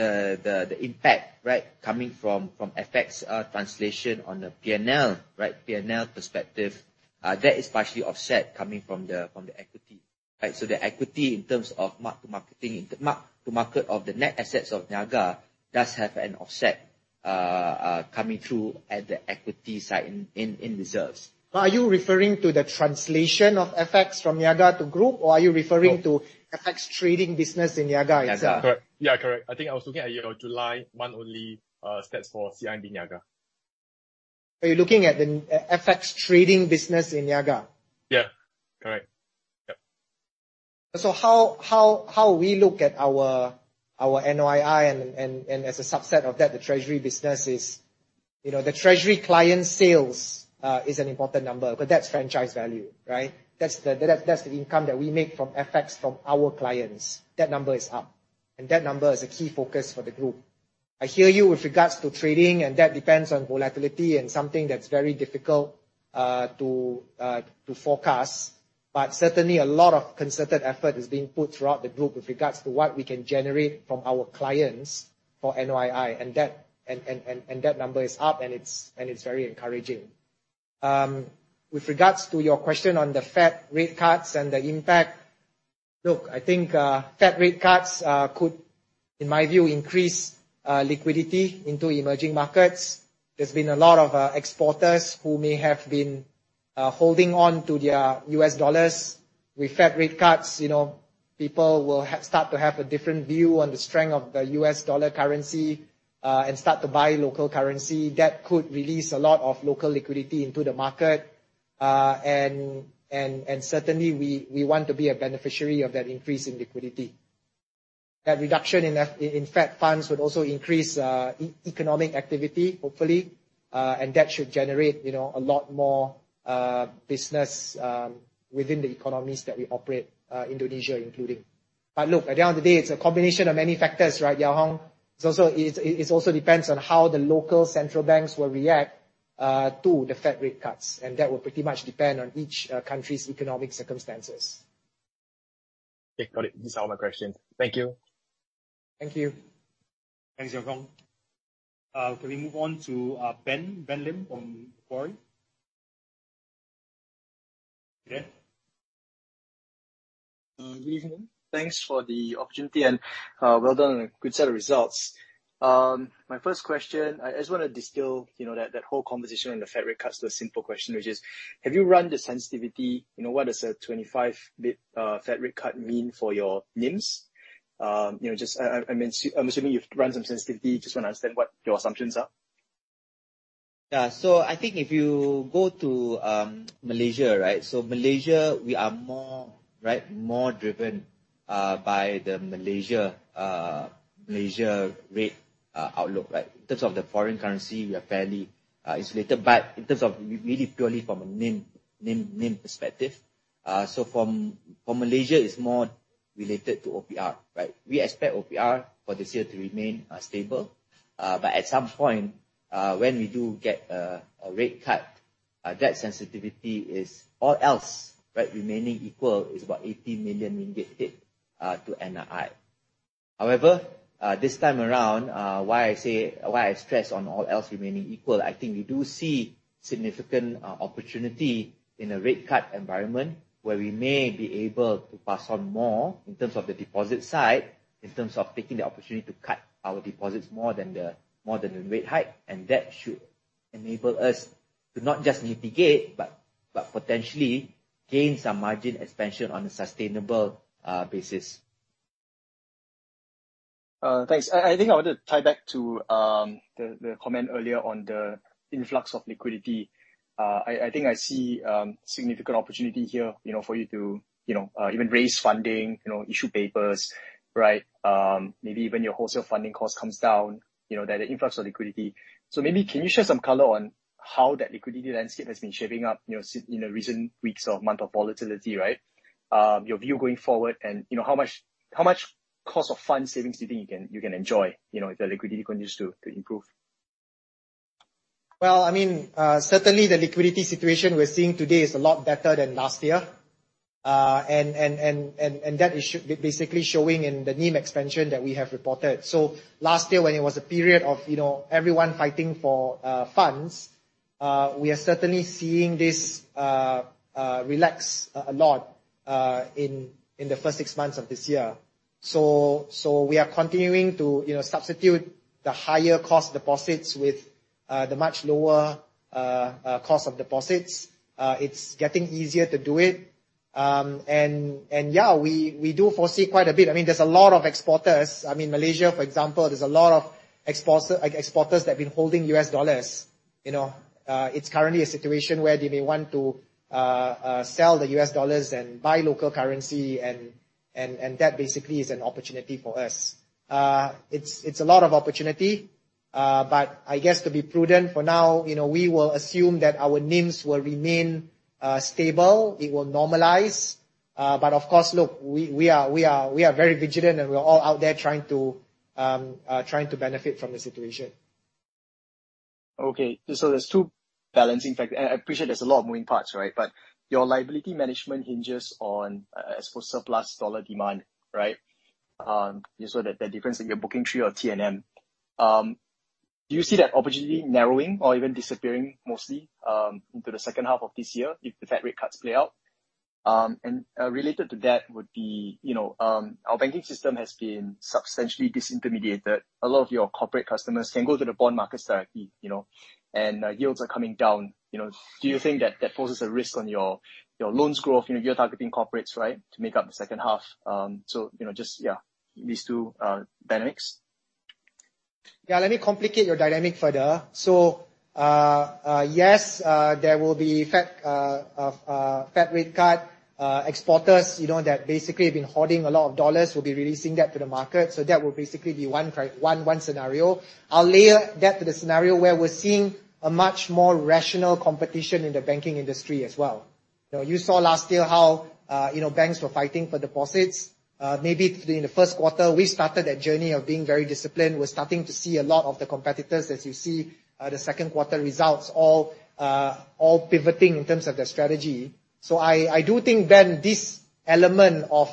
impact coming from FX translation on the P&L perspective, that is partially offset coming from the equity. The equity in terms of mark-to-market of the net assets of Niaga does have an offset coming through at the equity side in reserves. Are you referring to the translation of FX from Niaga to Group, or are you referring to FX trading business in Niaga itself? Yeah, correct. I think I was looking at your July month only stats for CIMB Niaga. Are you looking at the FX trading business in Niaga? Yeah. Correct. Yep. How we look at our NOII and as a subset of that, the treasury business is, the treasury client sales is an important number because that's franchise value, right? That's the income that we make from FX from our clients. That number is up, and that number is a key focus for the group. I hear you with regards to trading, and that depends on volatility and something that's very difficult to forecast. Certainly, a lot of concerted effort is being put throughout the group with regards to what we can generate from our clients for NOII. That number is up, and it's very encouraging. With regards to your question on the Fed rate cuts and the impact, look, I think Fed rate cuts could, in my view, increase liquidity into emerging markets. There's been a lot of exporters who may have been holding on to their U.S. dollars. With Fed rate cuts, people will start to have a different view on the strength of the U.S. dollar currency, and start to buy local currency. That could release a lot of local liquidity into the market. Certainly, we want to be a beneficiary of that increase in liquidity. That reduction in Fed funds would also increase economic activity, hopefully. That should generate a lot more business within the economies that we operate, Indonesia included. Look, at the end of the day, it's a combination of many factors, right, Yong Hong? It also depends on how the local central banks will react to the Fed rate cuts, that will pretty much depend on each country's economic circumstances. Okay, got it. These are all my questions. Thank you. Thank you. Thanks, Yong Hong. Can we move on to Ben Lim from Macquarie? Ben? Good evening. Thanks for the opportunity, and well done on a good set of results. My first question, I just want to distill that whole conversation on the Fed rate cuts to a simple question, which is, have you run the sensitivity? What does a 25 Fed rate cut mean for your NIMs? I'm assuming you've run some sensitivity. Just want to understand what your assumptions are. Yeah. I think if you go to Malaysia, right, Malaysia, we are more driven by the Malaysia rate outlook, right? In terms of the foreign currency, we are fairly isolated. In terms of really purely from a NIM perspective, for Malaysia, it's more related to OPR, right? We expect OPR for this year to remain stable. At some point, when we do get a rate cut, that sensitivity is all else, right, remaining equal is about 80 million ringgit hit to NII. However, this time around, why I stress on all else remaining equal, I think we do see significant opportunity in a rate cut environment where we may be able to pass on more in terms of the deposit side, in terms of taking the opportunity to cut our deposits more than the rate hike, and that should enable us to not just mitigate, but potentially gain some margin expansion on a sustainable basis. Thanks. I think I want to tie back to the comment earlier on the influx of liquidity. I think I see significant opportunity here, for you to even raise funding, issue papers, right? Maybe even your Group Wholesale Banking funding cost comes down, that influx of liquidity. Maybe, can you share some color on how that liquidity landscape has been shaping up in the recent weeks or month of volatility, right? Your view going forward and, how much cost of fund savings do you think you can enjoy if the liquidity continues to improve? Well, certainly the liquidity situation we're seeing today is a lot better than last year, and that is basically showing in the NIM expansion that we have reported. Last year, when it was a period of everyone fighting for funds, we are certainly seeing this relax a lot, in the first six months of this year. We are continuing to substitute the higher cost deposits with the much lower cost of deposits. It's getting easier to do it. Yeah, we do foresee there's a lot of exporters. In Malaysia, for example, there's a lot of exporters that have been holding U.S. dollars. It's currently a situation where they may want to sell the U.S. dollars and buy local currency, and that basically is an opportunity for us. It's a lot of opportunity, but I guess to be prudent for now, we will assume that our NIMs will remain stable. It will normalize. Of course, look, we are very vigilant, and we're all out there trying to benefit from the situation. There's two balancing factor, I appreciate there's a lot of moving parts, right? Your liability management hinges on, I suppose, surplus U.S. dollar demand, right? That difference that you're booking through your TNM. Do you see that opportunity narrowing or even disappearing mostly into the second half of this year if the Fed rate cuts play out? Related to that would be, our banking system has been substantially disintermediated. A lot of your corporate customers can go to the bond market directly, and yields are coming down. Do you think that that poses a risk on your loans growth? You're targeting corporates, right, to make up the second half. These two dynamics. Let me complicate your dynamic further. Yes, there will be Fed rate cut. Exporters that basically have been hoarding a lot of U.S. dollars will be releasing that to the market. That will basically be one scenario. I'll layer that to the scenario where we're seeing a much more rational competition in the banking industry as well. You saw last year how banks were fighting for deposits. Maybe in the first quarter, we started that journey of being very disciplined. We're starting to see a lot of the competitors as you see the second quarter results all pivoting in terms of their strategy. I do think, Ben, this element of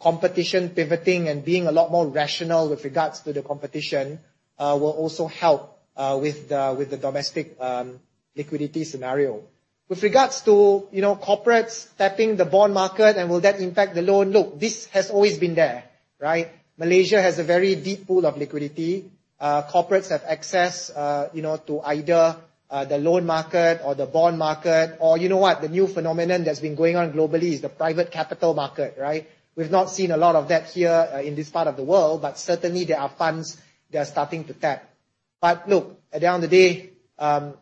competition pivoting and being a lot more rational with regards to the competition, will also help with the domestic liquidity scenario. With regards to corporates tapping the bond market, will that impact the loan, look, this has always been there, right? Malaysia has a very deep pool of liquidity. Corporates have access to either the loan market or the bond market, or you know what? The new phenomenon that's been going on globally is the private capital market, right? We've not seen a lot of that here in this part of the world, but certainly, there are funds they're starting to tap. Look, at the end of the day,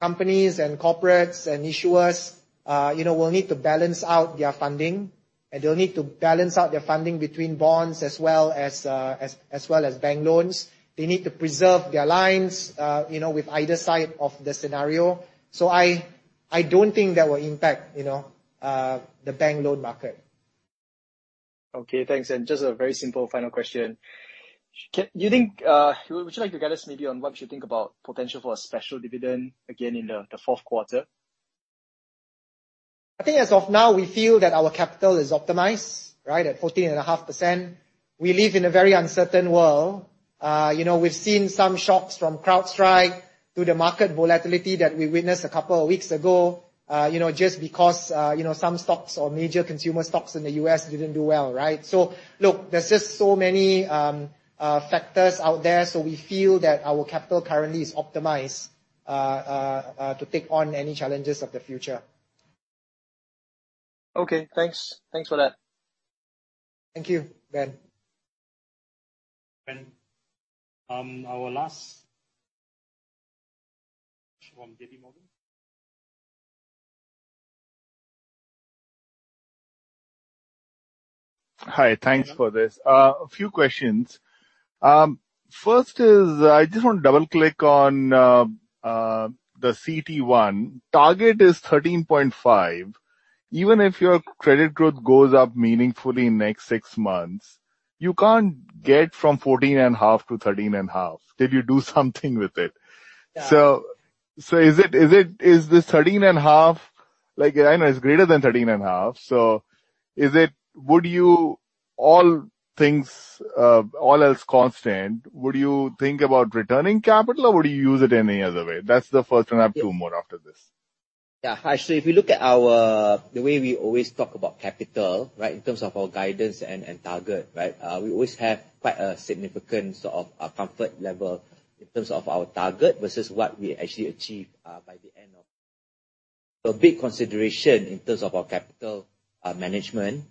companies and corporates and issuers will need to balance out their funding, and they'll need to balance out their funding between bonds as well as bank loans. They need to preserve their lines, with either side of the scenario. I don't think that will impact the bank loan market. Okay, thanks. Just a very simple final question. Would you like to guide us maybe on what we should think about potential for a special dividend again in the fourth quarter? I think as of now, we feel that our capital is optimized, at 14.5%. We live in a very uncertain world. We've seen some shocks from CrowdStrike to the market volatility that we witnessed a couple of weeks ago, just because some stocks or major consumer stocks in the U.S. didn't do well. Look, there's just so many factors out there. We feel that our capital currently is optimized to take on any challenges of the future. Okay, thanks. Thanks for that. Thank you, Ben. Ben, our last from J.P. Morgan. Hi. Thanks for this. A few questions. First, I just want to double-click on the CET1. Target is 13.5%. Even if your credit growth goes up meaningfully next six months, you can't get from 14.5% to 13.5%, did you do something with it? Yeah. Is this 13.5%, I know it's greater than 13.5%, all else constant, would you think about returning capital or would you use it any other way? That's the first one. I have two more after this. Actually, if you look at the way we always talk about capital in terms of our guidance and target. We always have quite a significant sort of comfort level in terms of our target versus what we actually achieve by the end of. Big consideration in terms of our capital management.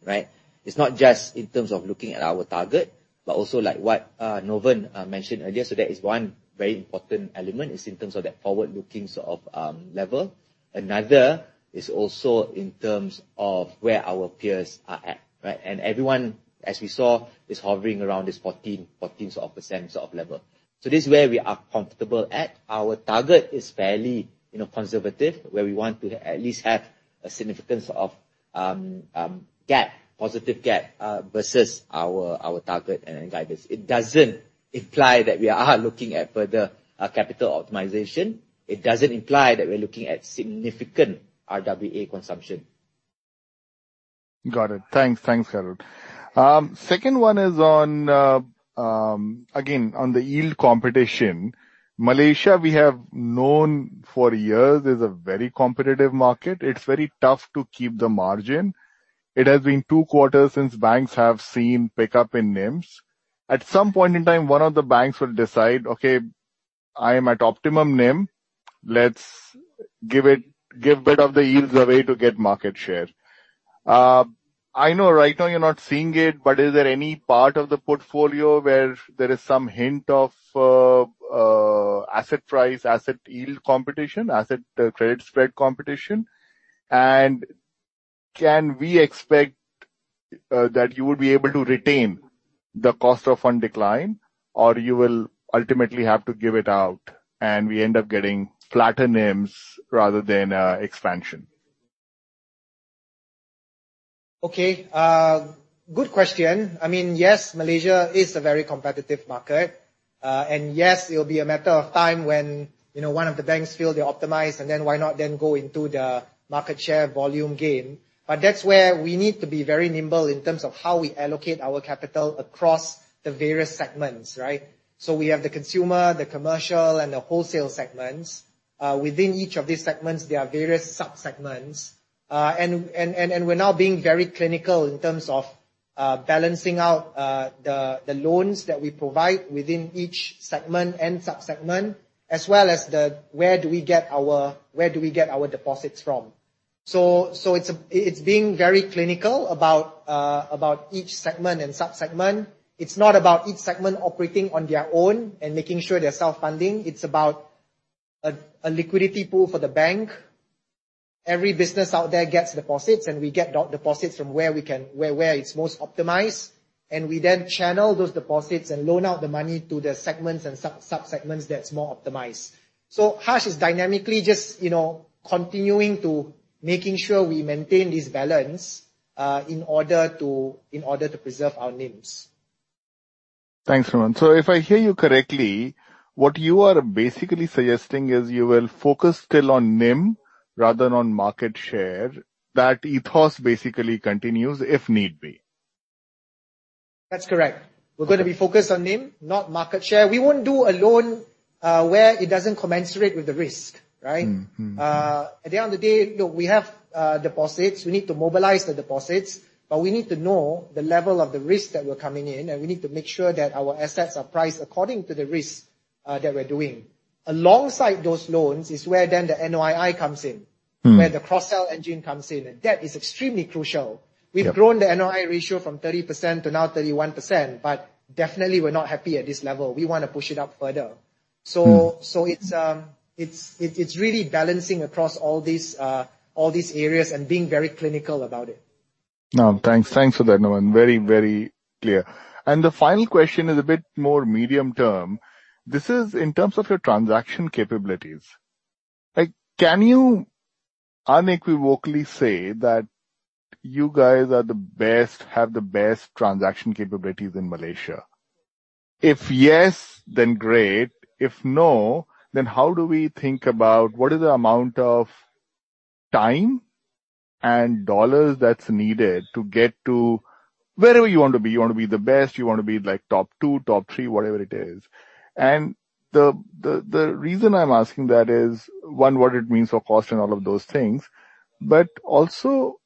It's not just in terms of looking at our target, but also like what Novan mentioned earlier. That is one very important element, is in terms of that forward-looking sort of level. Another is also in terms of where our peers are at. Everyone, as we saw, is hovering around this 14% sort of level. This is where we are comfortable at. Our target is fairly conservative, where we want to at least have a significance of positive gap versus our target and guidance. It doesn't imply that we are looking at further capital optimization. It doesn't imply that we are looking at significant RWA consumption. Got it. Thanks, Khairul. Second one is, again, on the yield competition. Malaysia, we have known for years, is a very competitive market. It's very tough to keep the margin. It has been two quarters since banks have seen pickup in NIMs. At some point in time, one of the banks will decide, "Okay, I am at optimum NIM, let's give bit of the yields away to get market share." I know right now you're not seeing it, but is there any part of the portfolio where there is some hint of asset price, asset yield competition, asset credit spread competition? Can we expect that you would be able to retain the cost of fund decline or you will ultimately have to give it out and we end up getting flatter NIMs rather than expansion? Okay. Good question. Yes, Malaysia is a very competitive market. Yes, it'll be a matter of time when one of the banks feel they optimize and then why not then go into the market share volume game. That's where we need to be very nimble in terms of how we allocate our capital across the various segments. We have the consumer, the commercial and the wholesale segments. Within each of these segments, there are various sub-segments. We're now being very clinical in terms of balancing out the loans that we provide within each segment and sub-segment, as well as where do we get our deposits from. It's being very clinical about each segment and sub-segment. It's not about each segment operating on their own and making sure they're self-funding. It's about a liquidity pool for the bank. Every business out there gets deposits, we get deposits from where it's most optimized, we then channel those deposits and loan out the money to the segments and sub-segments that's more optimized. Akaash is dynamically just continuing to making sure we maintain this balance in order to preserve our NIMs. Thanks, Novan. If I hear you correctly, what you are basically suggesting is you will focus still on NIM rather than on market share. That ethos basically continues if need be. That's correct. We're going to be focused on NIM, not market share. We won't do a loan where it doesn't commensurate with the risk. Right? At the end of the day, look, we have deposits. We need to mobilize the deposits, but we need to know the level of the risk that were coming in, and we need to make sure that our assets are priced according to the risk that we're doing. Alongside those loans is where then the NOII comes in, where the cross-sell engine comes in. That is extremely crucial. Yeah. We've grown the NOI ratio from 30% to now 31%, but definitely we're not happy at this level. We want to push it up further. It's really balancing across all these areas and being very clinical about it. No, thanks. Thanks for that, Novan. Very clear. The final question is a bit more medium term. This is in terms of your transaction capabilities. Unequivocally say that you guys are the best, have the best transaction capabilities in Malaysia. If yes, then great. If no, then how do we think about what is the amount of time and MYR that's needed to get to wherever you want to be? You want to be the best, you want to be top 2, top 3, whatever it is. The reason I'm asking that is, one, what it means for cost and all of those things, but also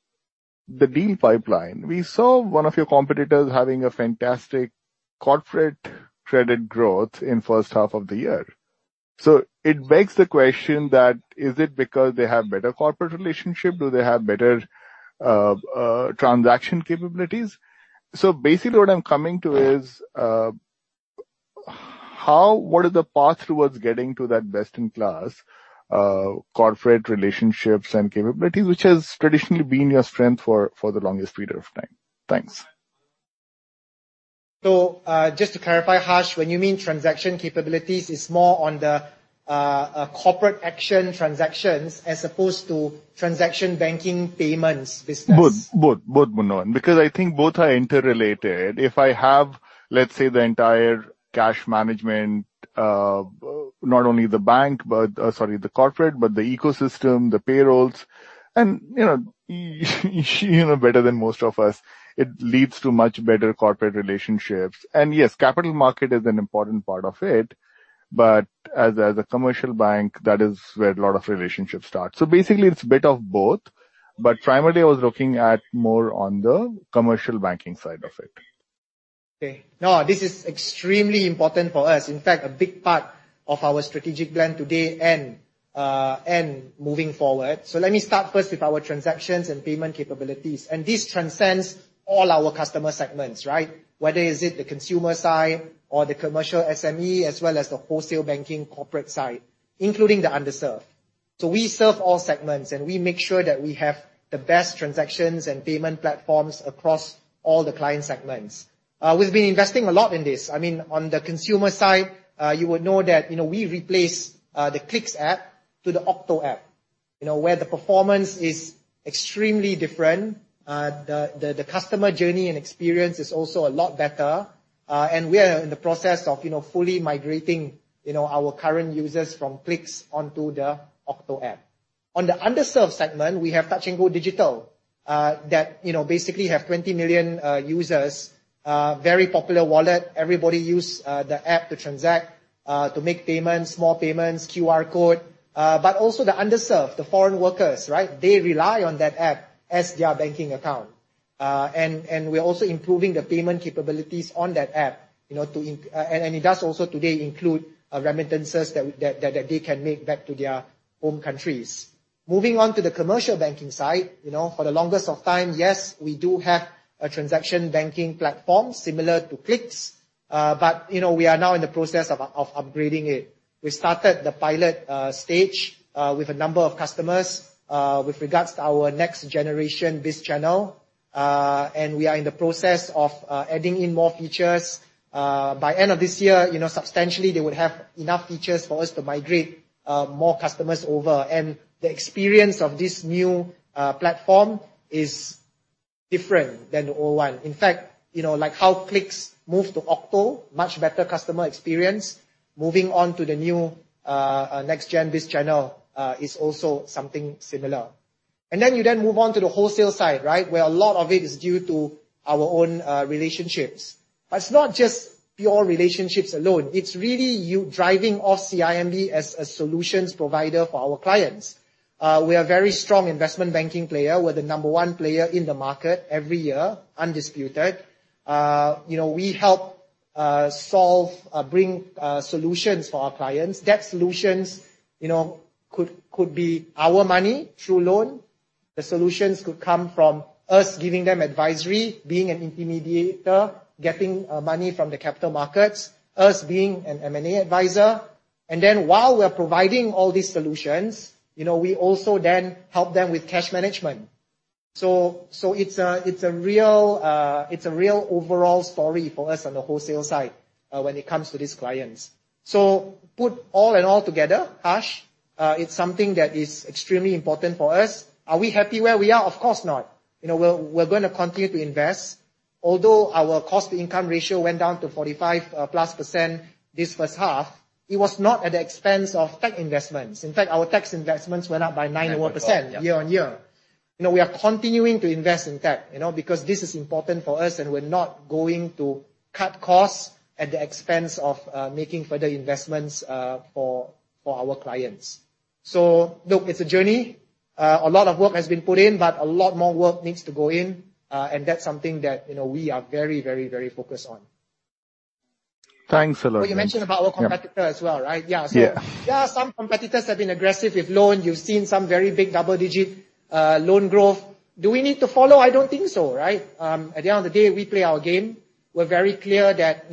the deal pipeline. We saw one of your competitors having a fantastic corporate credit growth in first half of the year. It begs the question that, is it because they have better corporate relationship? Do they have better transaction capabilities? Basically what I'm coming to is, what is the path towards getting to that best-in-class corporate relationships and capabilities, which has traditionally been your strength for the longest period of time? Thanks. Just to clarify, Akash, when you mean transaction capabilities, it's more on the corporate action transactions as opposed to transaction banking payments business. Both, Novan. I think both are interrelated. If I have, let's say, the entire cash management, not only the bank, but, sorry, the corporate, but the ecosystem, the payrolls, and you know better than most of us, it leads to much better corporate relationships. Yes, capital market is an important part of it. As a commercial bank, that is where a lot of relationships start. Basically, it's a bit of both, but primarily I was looking at more on the commercial banking side of it. No, this is extremely important for us. In fact, a big part of our strategic plan today and moving forward. Let me start first with our transactions and payment capabilities, and this transcends all our customer segments, right? Whether is it the consumer side or the commercial SME, as well as the Group Wholesale Banking corporate side, including the underserved. We serve all segments, and we make sure that we have the best transactions and payment platforms across all the client segments. We've been investing a lot in this. On the consumer side, you would know that we replaced the CIMB Clicks app to the CIMB OCTO app, where the performance is extremely different. The customer journey and experience is also a lot better. We are in the process of fully migrating our current users from CIMB Clicks onto the CIMB OCTO app. On the underserved segment, we have TNG Digital, that basically have 20 million users. Very popular wallet. Everybody use the app to transact, to make payments, small payments, QR code. Also the underserved, the foreign workers, right? They rely on that app as their banking account. We're also improving the payment capabilities on that app, and it does also today include remittances that they can make back to their home countries. Moving on to the commercial banking side. For the longest of time, yes, we do have a transaction banking platform similar to CIMB Clicks, but we are now in the process of upgrading it. We started the pilot stage, with a number of customers, with regards to our next generation, BizChannel@CIMB. We are in the process of adding in more features. By end of this year, substantially they would have enough features for us to migrate more customers over. The experience of this new platform is different than the old one. In fact, like how CIMB Clicks moved to CIMB OCTO, much better customer experience. Moving on to the new next gen BizChannel@CIMB, is also something similar. Then you then move on to the Group Wholesale Banking side, right, where a lot of it is due to our own relationships. It's not just pure relationships alone. It's really you driving all CIMB Group as a solutions provider for our clients. We are a very strong investment banking player. We're the number 1 player in the market every year, undisputed. We help bring solutions for our clients. That solutions could be our money through loan. The solutions could come from us giving them advisory, being an intermediator, getting money from the capital markets, us being an M&A advisor. Then while we are providing all these solutions, we also then help them with cash management. It's a real overall story for us on the Group Wholesale Banking side when it comes to these clients. Put all and all together, Akash, it's something that is extremely important for us. Are we happy where we are? Of course not. We're going to continue to invest. Although our cost to income ratio went down to 45+% this first half, it was not at the expense of tech investments. In fact, our tech investments went up by 900% year-on-year. We are continuing to invest in tech, because this is important for us, and we're not going to cut costs at the expense of making further investments for our clients. Look, it's a journey. A lot of work has been put in, but a lot more work needs to go in. That's something that we are very focused on. Thanks a lot. You mentioned about our competitor as well, right? Yeah. Yeah. There are some competitors that have been aggressive with loan. You've seen some very big double-digit loan growth. Do we need to follow? I don't think so, right? At the end of the day, we play our game. We're very clear that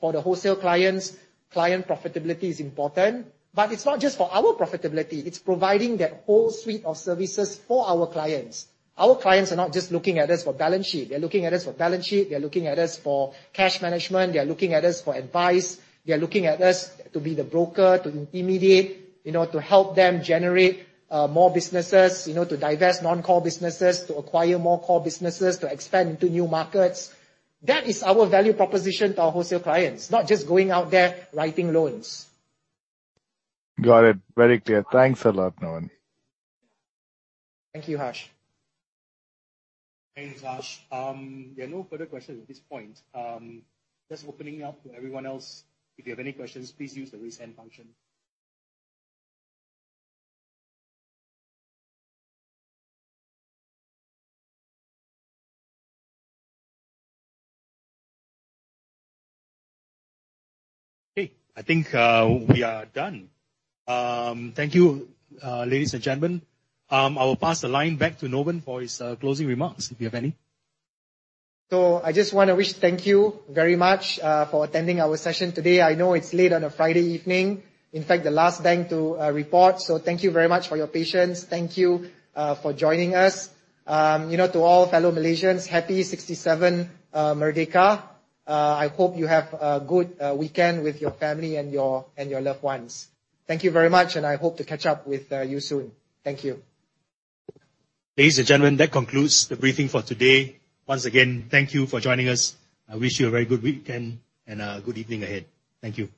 for the wholesale clients, client profitability is important. It's not just for our profitability. It's providing that whole suite of services for our clients. Our clients are not just looking at us for balance sheet. They're looking at us for balance sheet. They're looking at us for cash management. They're looking at us for advice. They're looking at us to be the broker, to intermediate, to help them generate more businesses, to divest non-core businesses, to acquire more core businesses, to expand into new markets. That is our value proposition to our wholesale clients, not just going out there writing loans. Got it. Very clear. Thanks a lot, Novan. Thank you, Akash. Thanks, Akash. There are no further questions at this point. Just opening up to everyone else. If you have any questions, please use the Raise Hand function. Okay, I think we are done. Thank you, ladies and gentlemen. I will pass the line back to Novan for his closing remarks, if you have any. I just want to wish thank you very much, for attending our session today. I know it's late on a Friday evening. In fact, the last bank to report. Thank you very much for your patience. Thank you for joining us. To all fellow Malaysians, happy 67 Merdeka. I hope you have a good weekend with your family and your loved ones. Thank you very much, and I hope to catch up with you soon. Thank you. Ladies and gentlemen, that concludes the briefing for today. Once again, thank you for joining us. I wish you a very good weekend and a good evening ahead. Thank you.